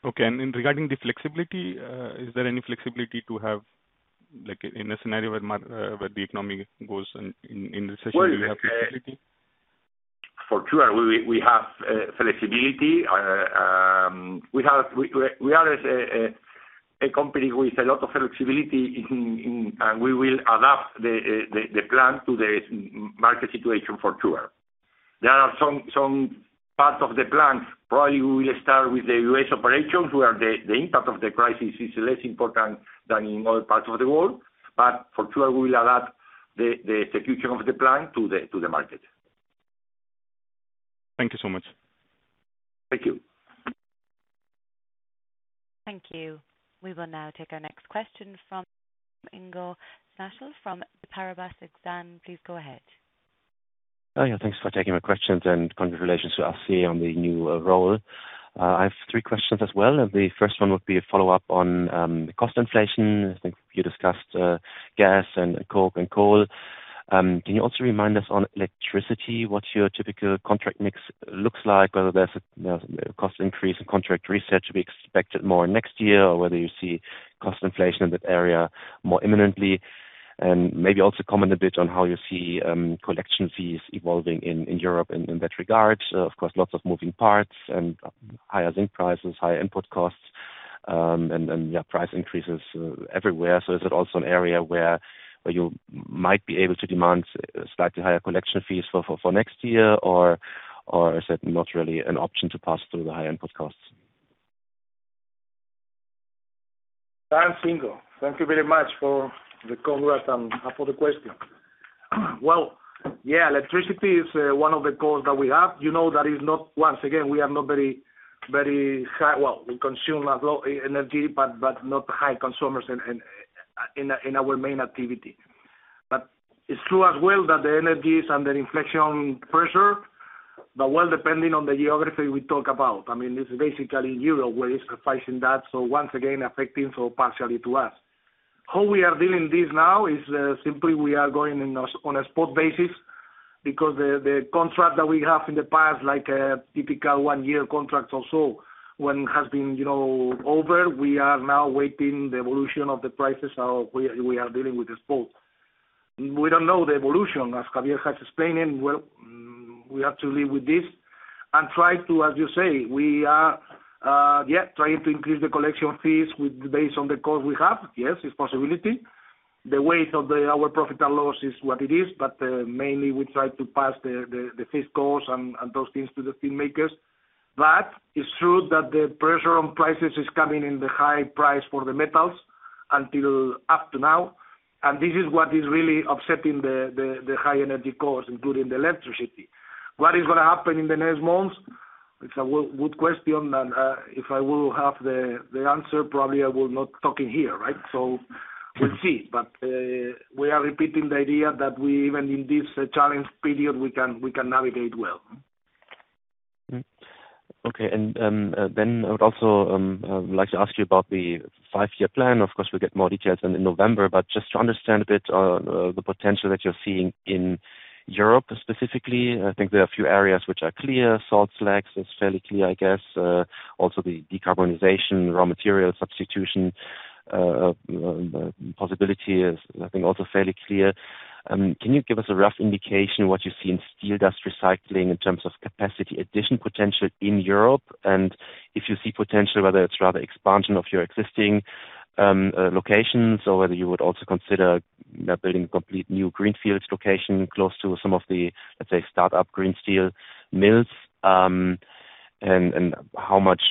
Okay. In regard to the flexibility, is there any flexibility to have, like in a scenario where the economy goes into recession, do you have flexibility? For sure, we have flexibility. We are a company with a lot of flexibility, and we will adapt the plan to the market situation for sure. There are some parts of the plan, probably we will start with the U.S. operations, where the impact of the crisis is less important than in other parts of the world. For sure, we will adapt the execution of the plan to the market. Thank you so much. Thank you. Thank you. We will now take our next question from Ingo Schachel from Paribas. Please go ahead. Oh, yeah, thanks for taking my questions and congratulations to Asier on the new role. I have three questions as well. The first one would be a follow-up on cost inflation. I think you discussed gas and coke and coal. Can you also remind us on electricity, what your typical contract mix looks like, whether there's a you know, cost increase in contract rates to be expected more next year, or whether you see cost inflation in that area more imminently? Maybe also comment a bit on how you see collection fees evolving in Europe in that regard. Of course, lots of moving parts and higher zinc prices, higher input costs, and yeah, price increases everywhere. Is it also an area where you might be able to demand slightly higher collection fees for next year, or is it not really an option to pass through the high input costs? Thanks, Ingo. Thank you very much for the congrats and for the question. Well, yeah, electricity is one of the goals that we have. You know. Once again, we are not very high. Well, we consume a lot energy, but not high consumers in our main activity. It's true as well that the energies are under inflation pressure, but well, depending on the geography we talk about. I mean, this is basically Europe where it's facing that. Once again, affecting so partially to us. How we are dealing with this now is simply we are going on a spot basis because the contract that we have in the past, like a typical one-year contract or so, when it has been, you know, over, we are now waiting for the evolution of the prices, how we are dealing with the spot. We don't know the evolution, as Javier has explained, and well, we have to live with this and try to, as you say, trying to increase the collection fees with, based on the cost we have. Yes, it's a possibility. The weight of our profit and loss is what it is, but mainly we try to pass the fees cost and those things to the steel makers. It's true that the pressure on prices is coming from the high price for the metals up until now. This is what is really upsetting the high energy costs, including the electricity. What is gonna happen in the next months? It's a good question, if I will have the answer, probably I will not talking here, right? We'll see. We are repeating the idea that we, even in this challenging period, we can navigate well. Okay. Then I would also like to ask you about the five-year plan. Of course, we'll get more details in November, but just to understand a bit, the potential that you're seeing in Europe specifically. I think there are a few areas which are clear. Salt slag is fairly clear, I guess. Also the decarbonization, raw material substitution, possibility is, I think, also fairly clear. Can you give us a rough indication what you see in Steel Dust Recycling in terms of capacity addition potential in Europe? If you see potential, whether it's rather expansion of your existing locations or whether you would also consider building complete new greenfield location close to some of the, let's say, start-up green steel mills, and how much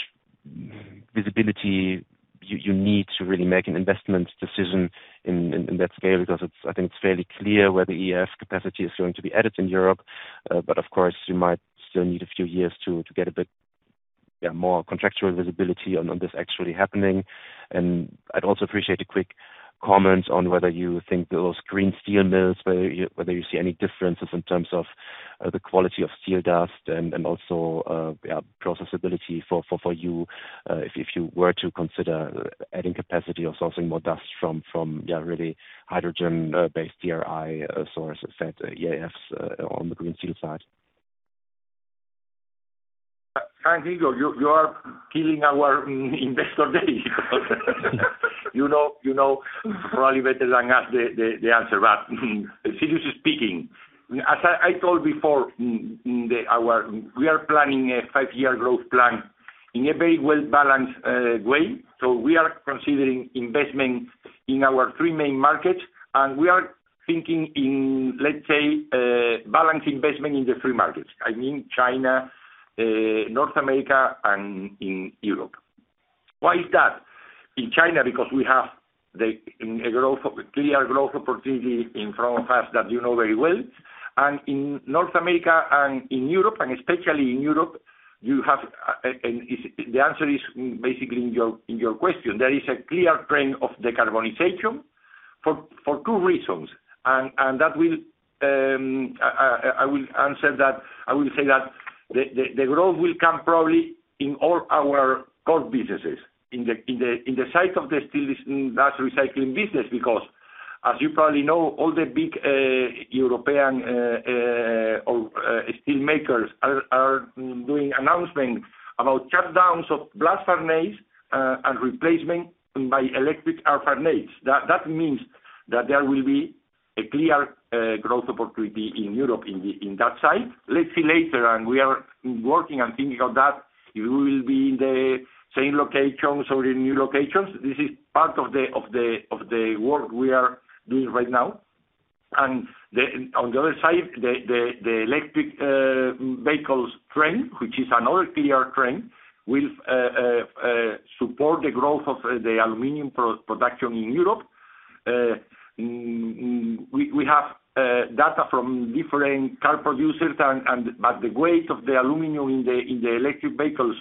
visibility you need to really make an investment decision in that scale. Because I think it's fairly clear where the EAF capacity is going to be added in Europe. But of course, you might still need a few years to get a bit more contractual visibility on this actually happening. I'd also appreciate a quick comment on whether you think those green steel mills, whether you see any differences in terms of the quality of steel dust and also, yeah, processability for you, if you were to consider adding capacity or sourcing more dust from, yeah, really hydrogen based DRI sourced EAFs on the green steel side? Ingo, you are killing our Investor Day. You know probably better than us the answer. Seriously speaking, as I told before in our, we are planning a five-year growth plan in a very well-balanced way. We are considering investment in our three main markets, and we are thinking in, let's say, balanced investment in the three markets. I mean, China, North America, and in Europe. Why is that? In China, because we have a clear growth opportunity in front of us that you know very well. In North America and in Europe, and especially in Europe, you have the answer is basically in your question. There is a clear trend of decarbonization for two reasons. That will, I will answer that. I will say that the growth will come probably in all our core businesses. In the side of the Steel Dust Recycling business, because as you probably know, all the big European steel makers are doing announcement about shutdowns of blast furnace and replacement by electric arc furnace. That means that there will be a clear growth opportunity in Europe in that side. Let's see later on, we are working and thinking of that. We will be in the same locations or in new locations. This is part of the work we are doing right now. On the other side, the electric vehicles trend, which is another clear trend, will support the growth of the aluminium production in Europe. We have data from different car producers and but the weight of the aluminium in the electric vehicles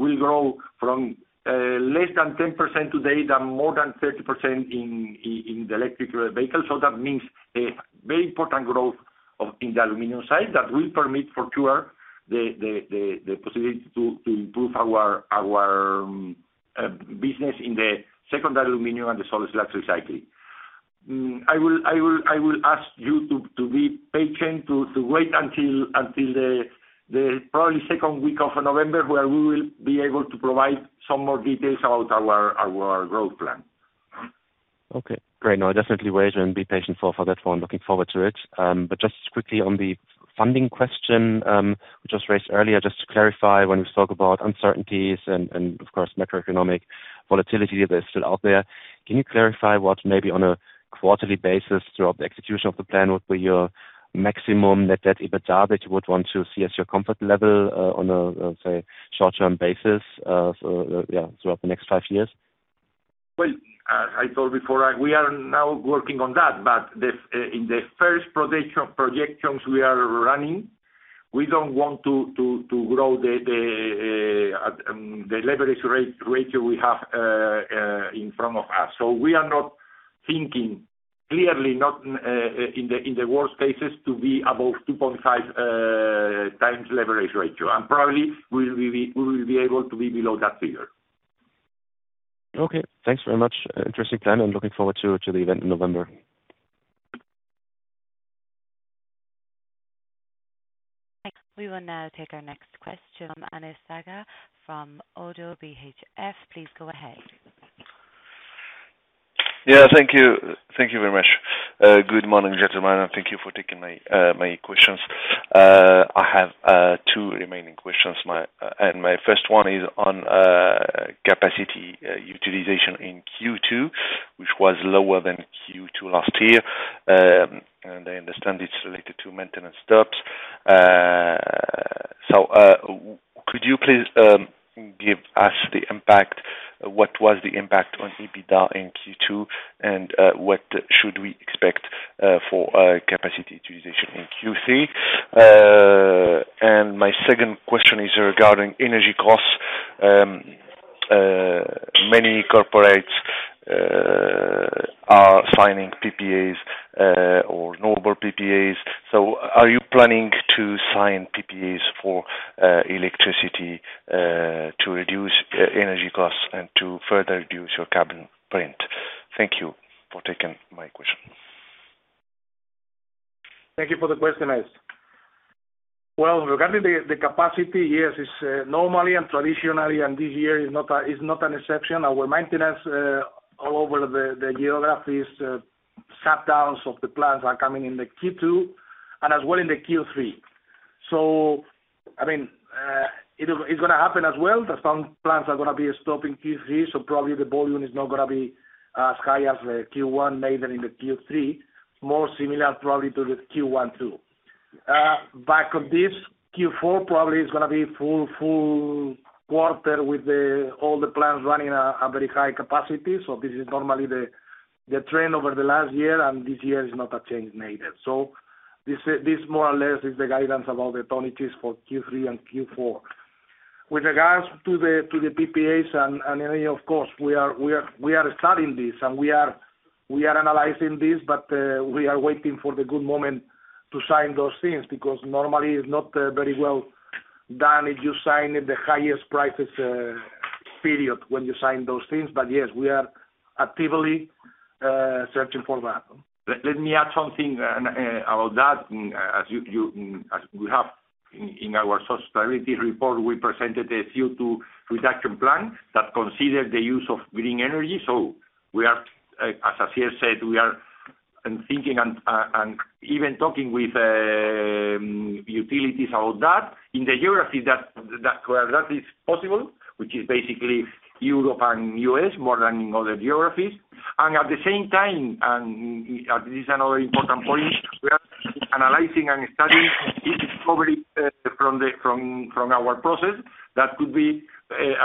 will grow from less than 10% today to more than 30% in the electric vehicles. That means a very important growth in the aluminium side that will permit for sure the possibility to improve our business in the secondary aluminium and the salt slag recycling. I will ask you to be patient to wait until the probably second week of November, where we will be able to provide some more details about our growth plan. Okay, great. No, I definitely wait and be patient for that one. Looking forward to it. Just quickly on the funding question just raised earlier, just to clarify when we spoke about uncertainties and of course, macroeconomic volatility that's still out there. Can you clarify what maybe on a quarterly basis throughout the execution of the plan, what would be your maximum net debt EBITDA that you would want to see as your comfort level on a, let's say, short-term basis throughout the next five years? Well, I told before, we are now working on that, but in the first projections we are running, we don't want to grow the leverage ratio we have in front of us. We are not thinking, clearly not, in the worst cases to be above 2.5x leverage ratio. Probably we will be able to be below that figure. Okay, thanks very much. Interesting plan, and looking forward to the event in November. We will now take our next question from Anais Zgaya, from ODDO BHF. Please go ahead. Yeah, thank you. Thank you very much. Good morning, gentlemen, and thank you for taking my questions. I have two remaining questions. My first one is on capacity utilization in Q2, which was lower than Q2 last year. I understand it's related to maintenance stops. So, could you please give us the impact? What was the impact on EBITDA in Q2, and what should we expect for capacity utilization in Q3? My second question is regarding energy costs. Many corporates are signing PPAs or renewable PPAs. So are you planning to sign PPAs for electricity to reduce energy costs and to further reduce your carbon footprint? Thank you for taking my question. Thank you for the question, Anais. Well, regarding the capacity, yes, it's normally and traditionally, and this year is not an exception. Our maintenance all over the geographies shutdowns of the plants are coming in the Q2 and as well in the Q3. I mean, it's gonna happen as well. Then some plants are gonna be stopping Q3, so probably the volume is not gonna be as high as the Q1 in the Q3, more similar probably to the Q1, Q2. Back on this Q4 probably is gonna be full quarter with all the plants running a very high capacity. This is normally the trend over the last year, and this year is not changed. This more or less is the guidance about the tonnages for Q3 and Q4. With regards to the PPAs and, I mean, of course, we are studying this, and we are analyzing this, but we are waiting for the good moment to sign those things because normally it's not very well done if you sign at the highest prices period when you sign those things. Yes, we are actively searching for that. Let me add something about that. As we have in our sustainability report, we presented a CO2 reduction plan that considered the use of green energy. We are, as Asier said, we are thinking and even talking with utilities about that. In the geographies that where that is possible, which is basically Europe and U.S. more than in other geographies. At the same time, and this is another important point, we are analyzing and studying each recovery from our process that could be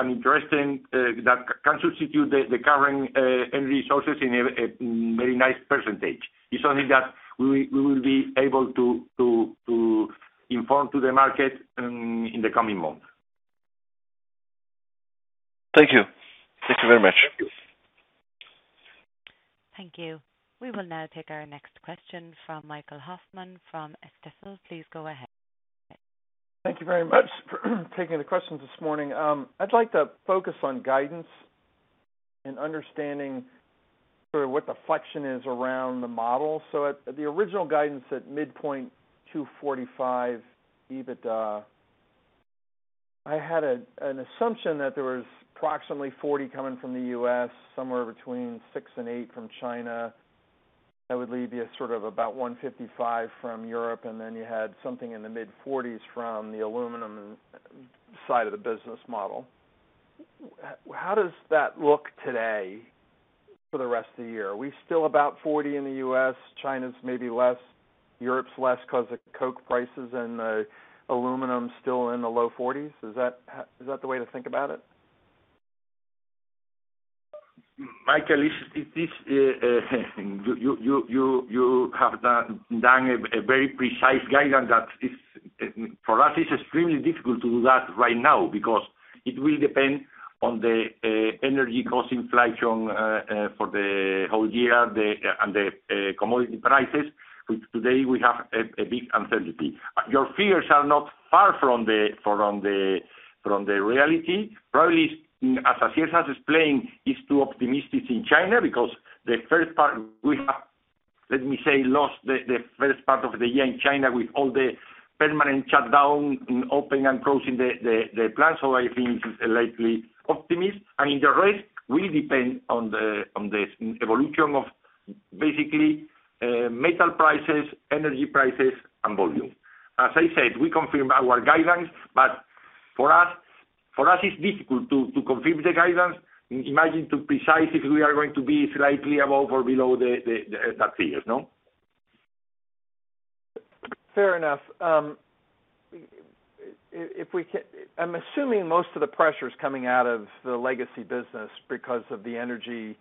interesting that can substitute the current energy sources in a very nice percentage. It's something that we will be able to inform to the market in the coming months. Thank you. Thank you very much. Thank you. We will now take our next question from Michael Hoffman from Stifel. Please go ahead. Thank you very much for taking the questions this morning. I'd like to focus on guidance and understanding sort of what the flex is around the model. At the original guidance at midpoint 245 EBITDA, I had an assumption that there was approximately 40 million coming from the U.S., somewhere between 6 million and 8 million from China. That would leave you sort of about 155 millions from Europe, and then you had something in the mid-40s from the aluminium side of the business model. How does that look today for the rest of the year? Are we still about 40 million in the U.S., China's maybe less, Europe's less 'cause of coke prices and aluminium still in the low 40s? Is that the way to think about it? Michael, it is you have done a very precise guidance that is for us it is extremely difficult to do that right now because it will depend on the energy cost inflation for the whole year, and the commodity prices, which today we have a big uncertainty. Your fears are not far from the reality. Probably, as Asier has explained, it is too optimistic in China because the first part we have lost, let me say, the first part of the year in China with all the pandemic shutdown and opening and closing the plants. I think it is slightly optimistic. I mean, the risk will depend on the evolution of basically metal prices, energy prices, and volume. As I said, we confirm our guidance, but for us, it's difficult to confirm the guidance. Imagine to precisely we are going to be slightly above or below the figures, no? Fair enough. If we can, I'm assuming most of the pressure is coming out of the legacy business because of the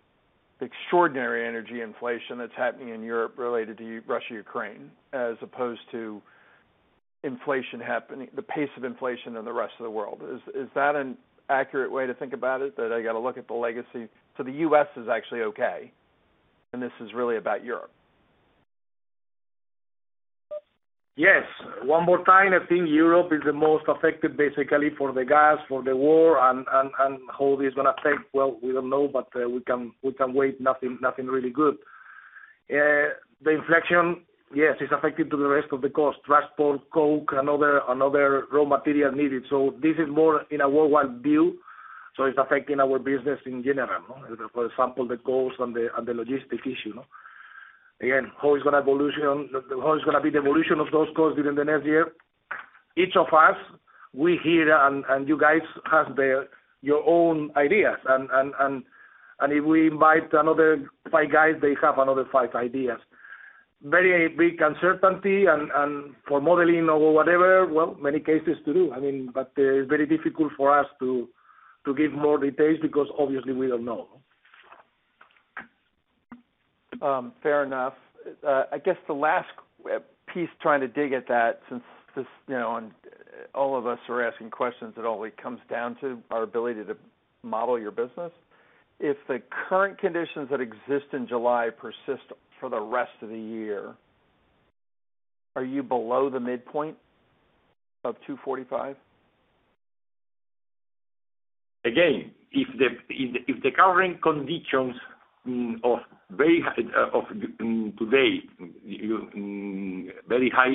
extraordinary energy inflation that's happening in Europe related to Russia/Ukraine, as opposed to the pace of inflation in the rest of the world. Is that an accurate way to think about it, that I gotta look at the legacy? The U.S. is actually okay, and this is really about Europe. Yes. One more time, I think Europe is the most affected basically for the gas, for the war and how this is gonna affect. Well, we don't know, but we can wait. Nothing really good. The inflation, yes, it's affecting to the rest of the cost, transport, coke, another raw material needed. So this is more in a worldwide view, so it's affecting our business in general. For example, the cost and the logistic issue, no? Again, how it's gonna be the evolution of those costs during the next year. Each of us here and you guys have your own ideas. If we invite another five guys, they have another five ideas. Very big uncertainty and for modeling or whatever, well, many cases to do. I mean, it's very difficult for us to give more details because obviously we don't know. Fair enough. I guess the last piece trying to dig at that since this, you know, and all of us are asking questions, it always comes down to our ability to model your business. If the current conditions that exist in July persist for the rest of the year, are you below the midpoint of 245 million? Again, if the current conditions of very high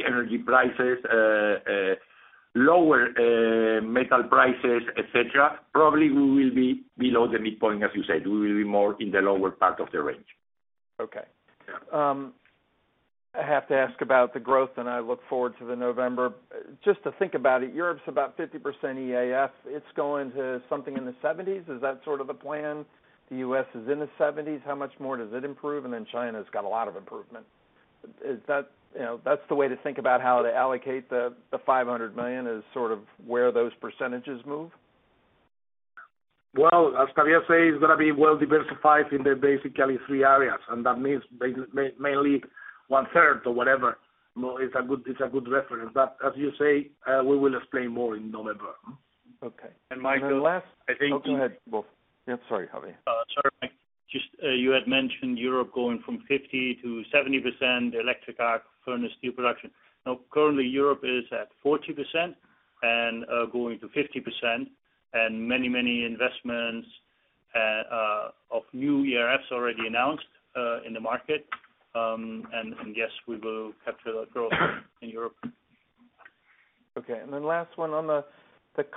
energy prices today, lower metal prices, et cetera, probably we will be below the midpoint, as you said. We will be more in the lower part of the range. Okay. I have to ask about the growth, and I look forward to the November. Just to think about it, Europe's about 50% EAF. It's going to something in the 70s. Is that sort of the plan? The U.S. is in the 70s. How much more does it improve? Then China's got a lot of improvement. Is that, you know, that's the way to think about how to allocate the 500 million is sort of where those percentages move? Well, as Javier said, it's gonna be well-diversified in the basically three areas, and that means mainly 1/3 or whatever, you know, is a good reference. As you say, we will explain more in November. Okay. And then last- I think. Oh, go ahead, Wolf. Yeah, sorry, Javier. Sorry. Just, you had mentioned Europe going from 50%-70% electric arc furnace steel production. Now, currently Europe is at 40% and going to 50%, and many investments of new EAFs already announced in the market. And yes, we will capture that growth in Europe. Okay. Last one. On the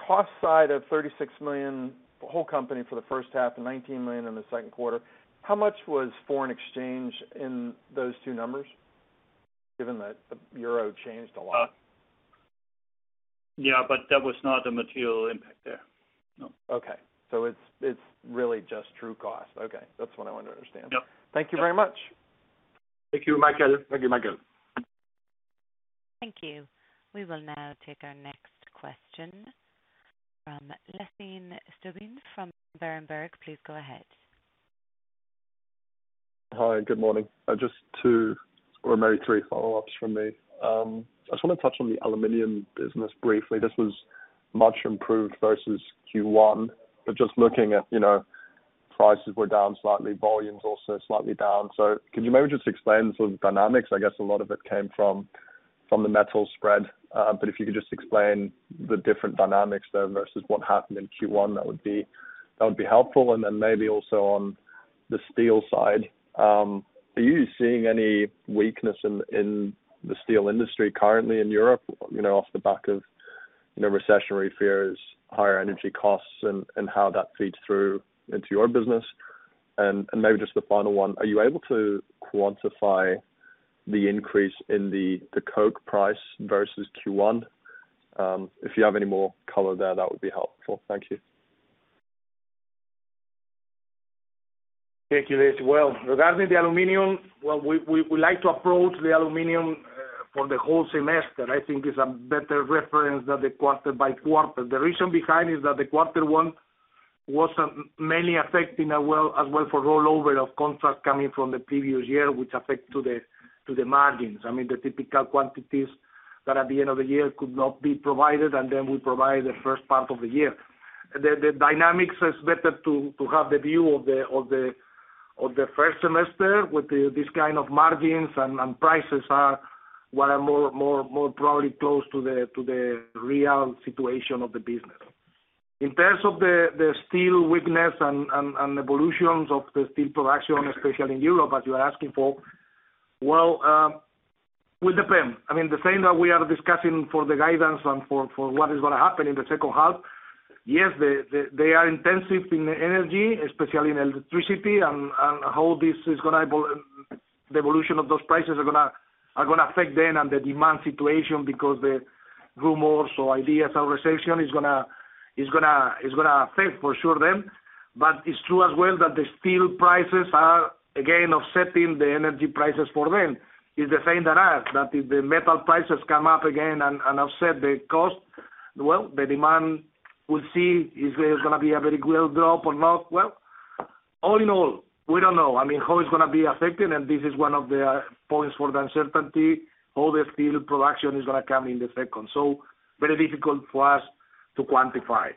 cost side of 36 million, the whole company for the first half and 19 million in the second quarter, how much was foreign exchange in those two numbers, given that the euro changed a lot? Yeah, that was not a material impact there. No. Okay. It's really just true cost. Okay. That's what I wanted to understand. Yep. Thank you very much. Thank you, Michael. Thank you, Michael. Thank you. We will now take our next question from Lasse Stüben from Berenberg. Please go ahead. Hi. Good morning. Just two or maybe three follow-ups from me. I just wanna touch on the aluminium business briefly. This was much improved versus Q1. Just looking at, you know, prices were down slightly, volumes also slightly down. Can you maybe just explain some of the dynamics? I guess a lot of it came from the metal spread. If you could just explain the different dynamics there versus what happened in Q1, that would be helpful. Then maybe also on the steel side, are you seeing any weakness in the steel industry currently in Europe, you know, off the back of recessionary fears, higher energy costs, and how that feeds through into your business? Maybe just the final one, are you able to quantify the increase in the coke price versus Q1? If you have any more color there, that would be helpful. Thank you. Thank you, Lasse. Well, regarding the aluminium, we like to approach the aluminium for the whole semester. I think it's a better reference than the quarter by quarter. The reason behind is that the quarter one was mainly affecting as well for rollover of contracts coming from the previous year, which affect to the margins. I mean, the typical quantities that at the end of the year could not be provided, and then we provide the first part of the year. The dynamics is better to have the view of the first semester with these kind of margins and prices are what are more probably close to the real situation of the business. In terms of the steel weakness and evolutions of the steel production, especially in Europe, as you're asking for, well, will depend. I mean, the same as we are discussing for the guidance and for what is gonna happen in the second half. Yes, they are intensive in energy, especially in electricity and how this is gonna evolve. The evolution of those prices are gonna affect them and the demand situation because the rumors or ideas of recession is gonna affect for sure them. But it's true as well that the steel prices are again offsetting the energy prices for them. It's the same as us, that if the metal prices come up again and offset the cost, well, the demand, we'll see if there's gonna be a very great drop or not. Well, all in all, we don't know, I mean, how it's gonna be affected, and this is one of the points for the uncertainty, how the steel production is gonna come in the second. Very difficult for us to quantify.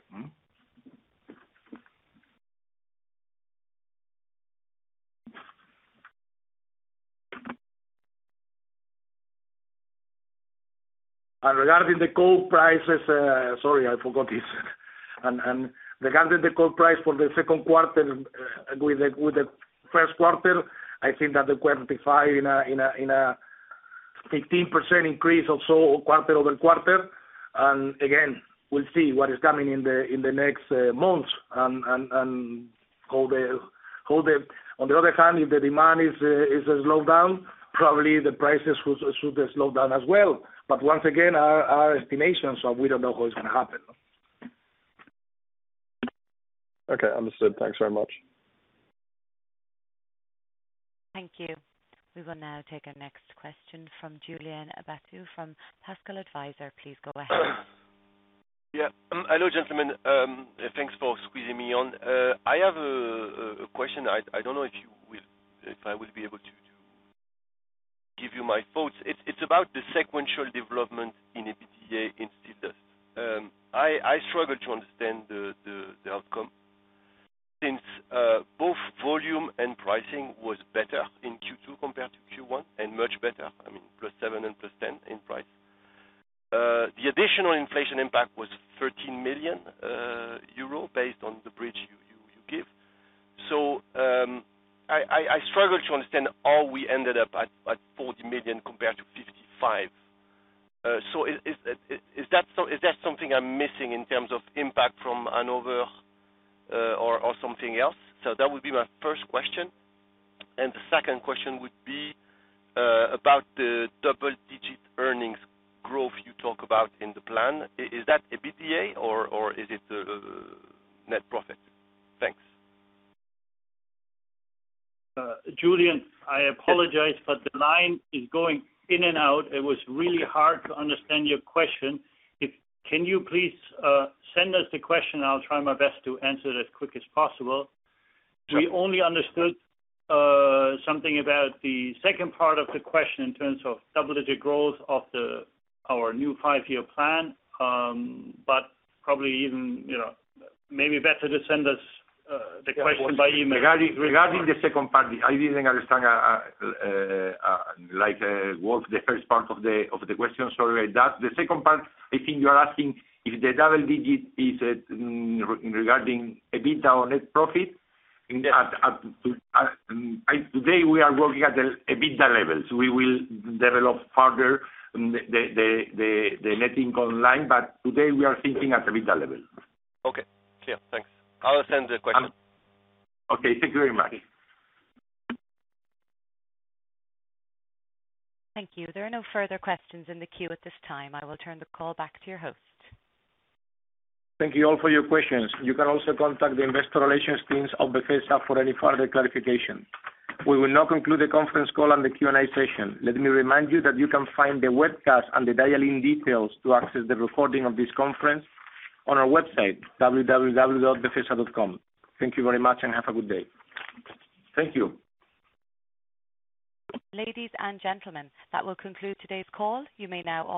Regarding the coke prices, sorry, I forgot this. Regarding the coke price for the second quarter, with the first quarter, I think that we quantify a 15% increase or so, quarter-over-quarter. Again, we'll see what is coming in the next months. On the other hand, if the demand is slowed down, probably the prices should slow down as well. Once again, our estimations are, we don't know what's gonna happen. Okay. Understood. Thanks very much. Thank you. We will now take our next question from Julien Batteau from Pascal Advisers. Please go ahead. Yeah. Hello, gentlemen. Thanks for squeezing me on. I have a question. I don't know if you will—if I will be able to give you my thoughts. It's about the sequential development in EBITDA in Steel Dust. I struggle to understand the outcome since both volume and pricing was better in Q2 compared to Q1 and much better, I mean, +7% and +10% in price. The additional inflation impact was 13 million euro based on the bridge you give. I struggle to understand how we ended up at 40 million compared to 55 million. Is that something I'm missing in terms of impact from Hanover or something else? That would be my first question. The second question would be about the double-digit earnings growth you talk about in the plan. Is that EBITDA or is it net profit? Thanks. Julien, I apologize, but the line is going in and out. It was really hard to understand your question. Can you please send us the question and I'll try my best to answer it as quick as possible. We only understood something about the second part of the question in terms of double-digit growth of our new five-year plan, but probably even, you know, maybe better to send us the question by email. Regarding the second part, I didn't understand, like Wolf, the first part of the question. Sorry about that. The second part, I think you are asking if the double digit is regarding EBITDA or net profit. Today, we are working at the EBITDA levels. We will develop further the net income line. Today we are thinking at EBITDA level. Okay. Yeah. Thanks. I'll send the question. Okay. Thank you very much. Thank you. There are no further questions in the queue at this time. I will turn the call back to your host. Thank you all for your questions. You can also contact the investor relations teams of Befesa for any further clarification. We will now conclude the conference call and the Q&A session. Let me remind you that you can find the webcast and the dial-in details to access the recording of this conference on our website, www.befesa.com. Thank you very much and have a good day. Thank you. Ladies and gentlemen, that will conclude today's call. You may now disconnect.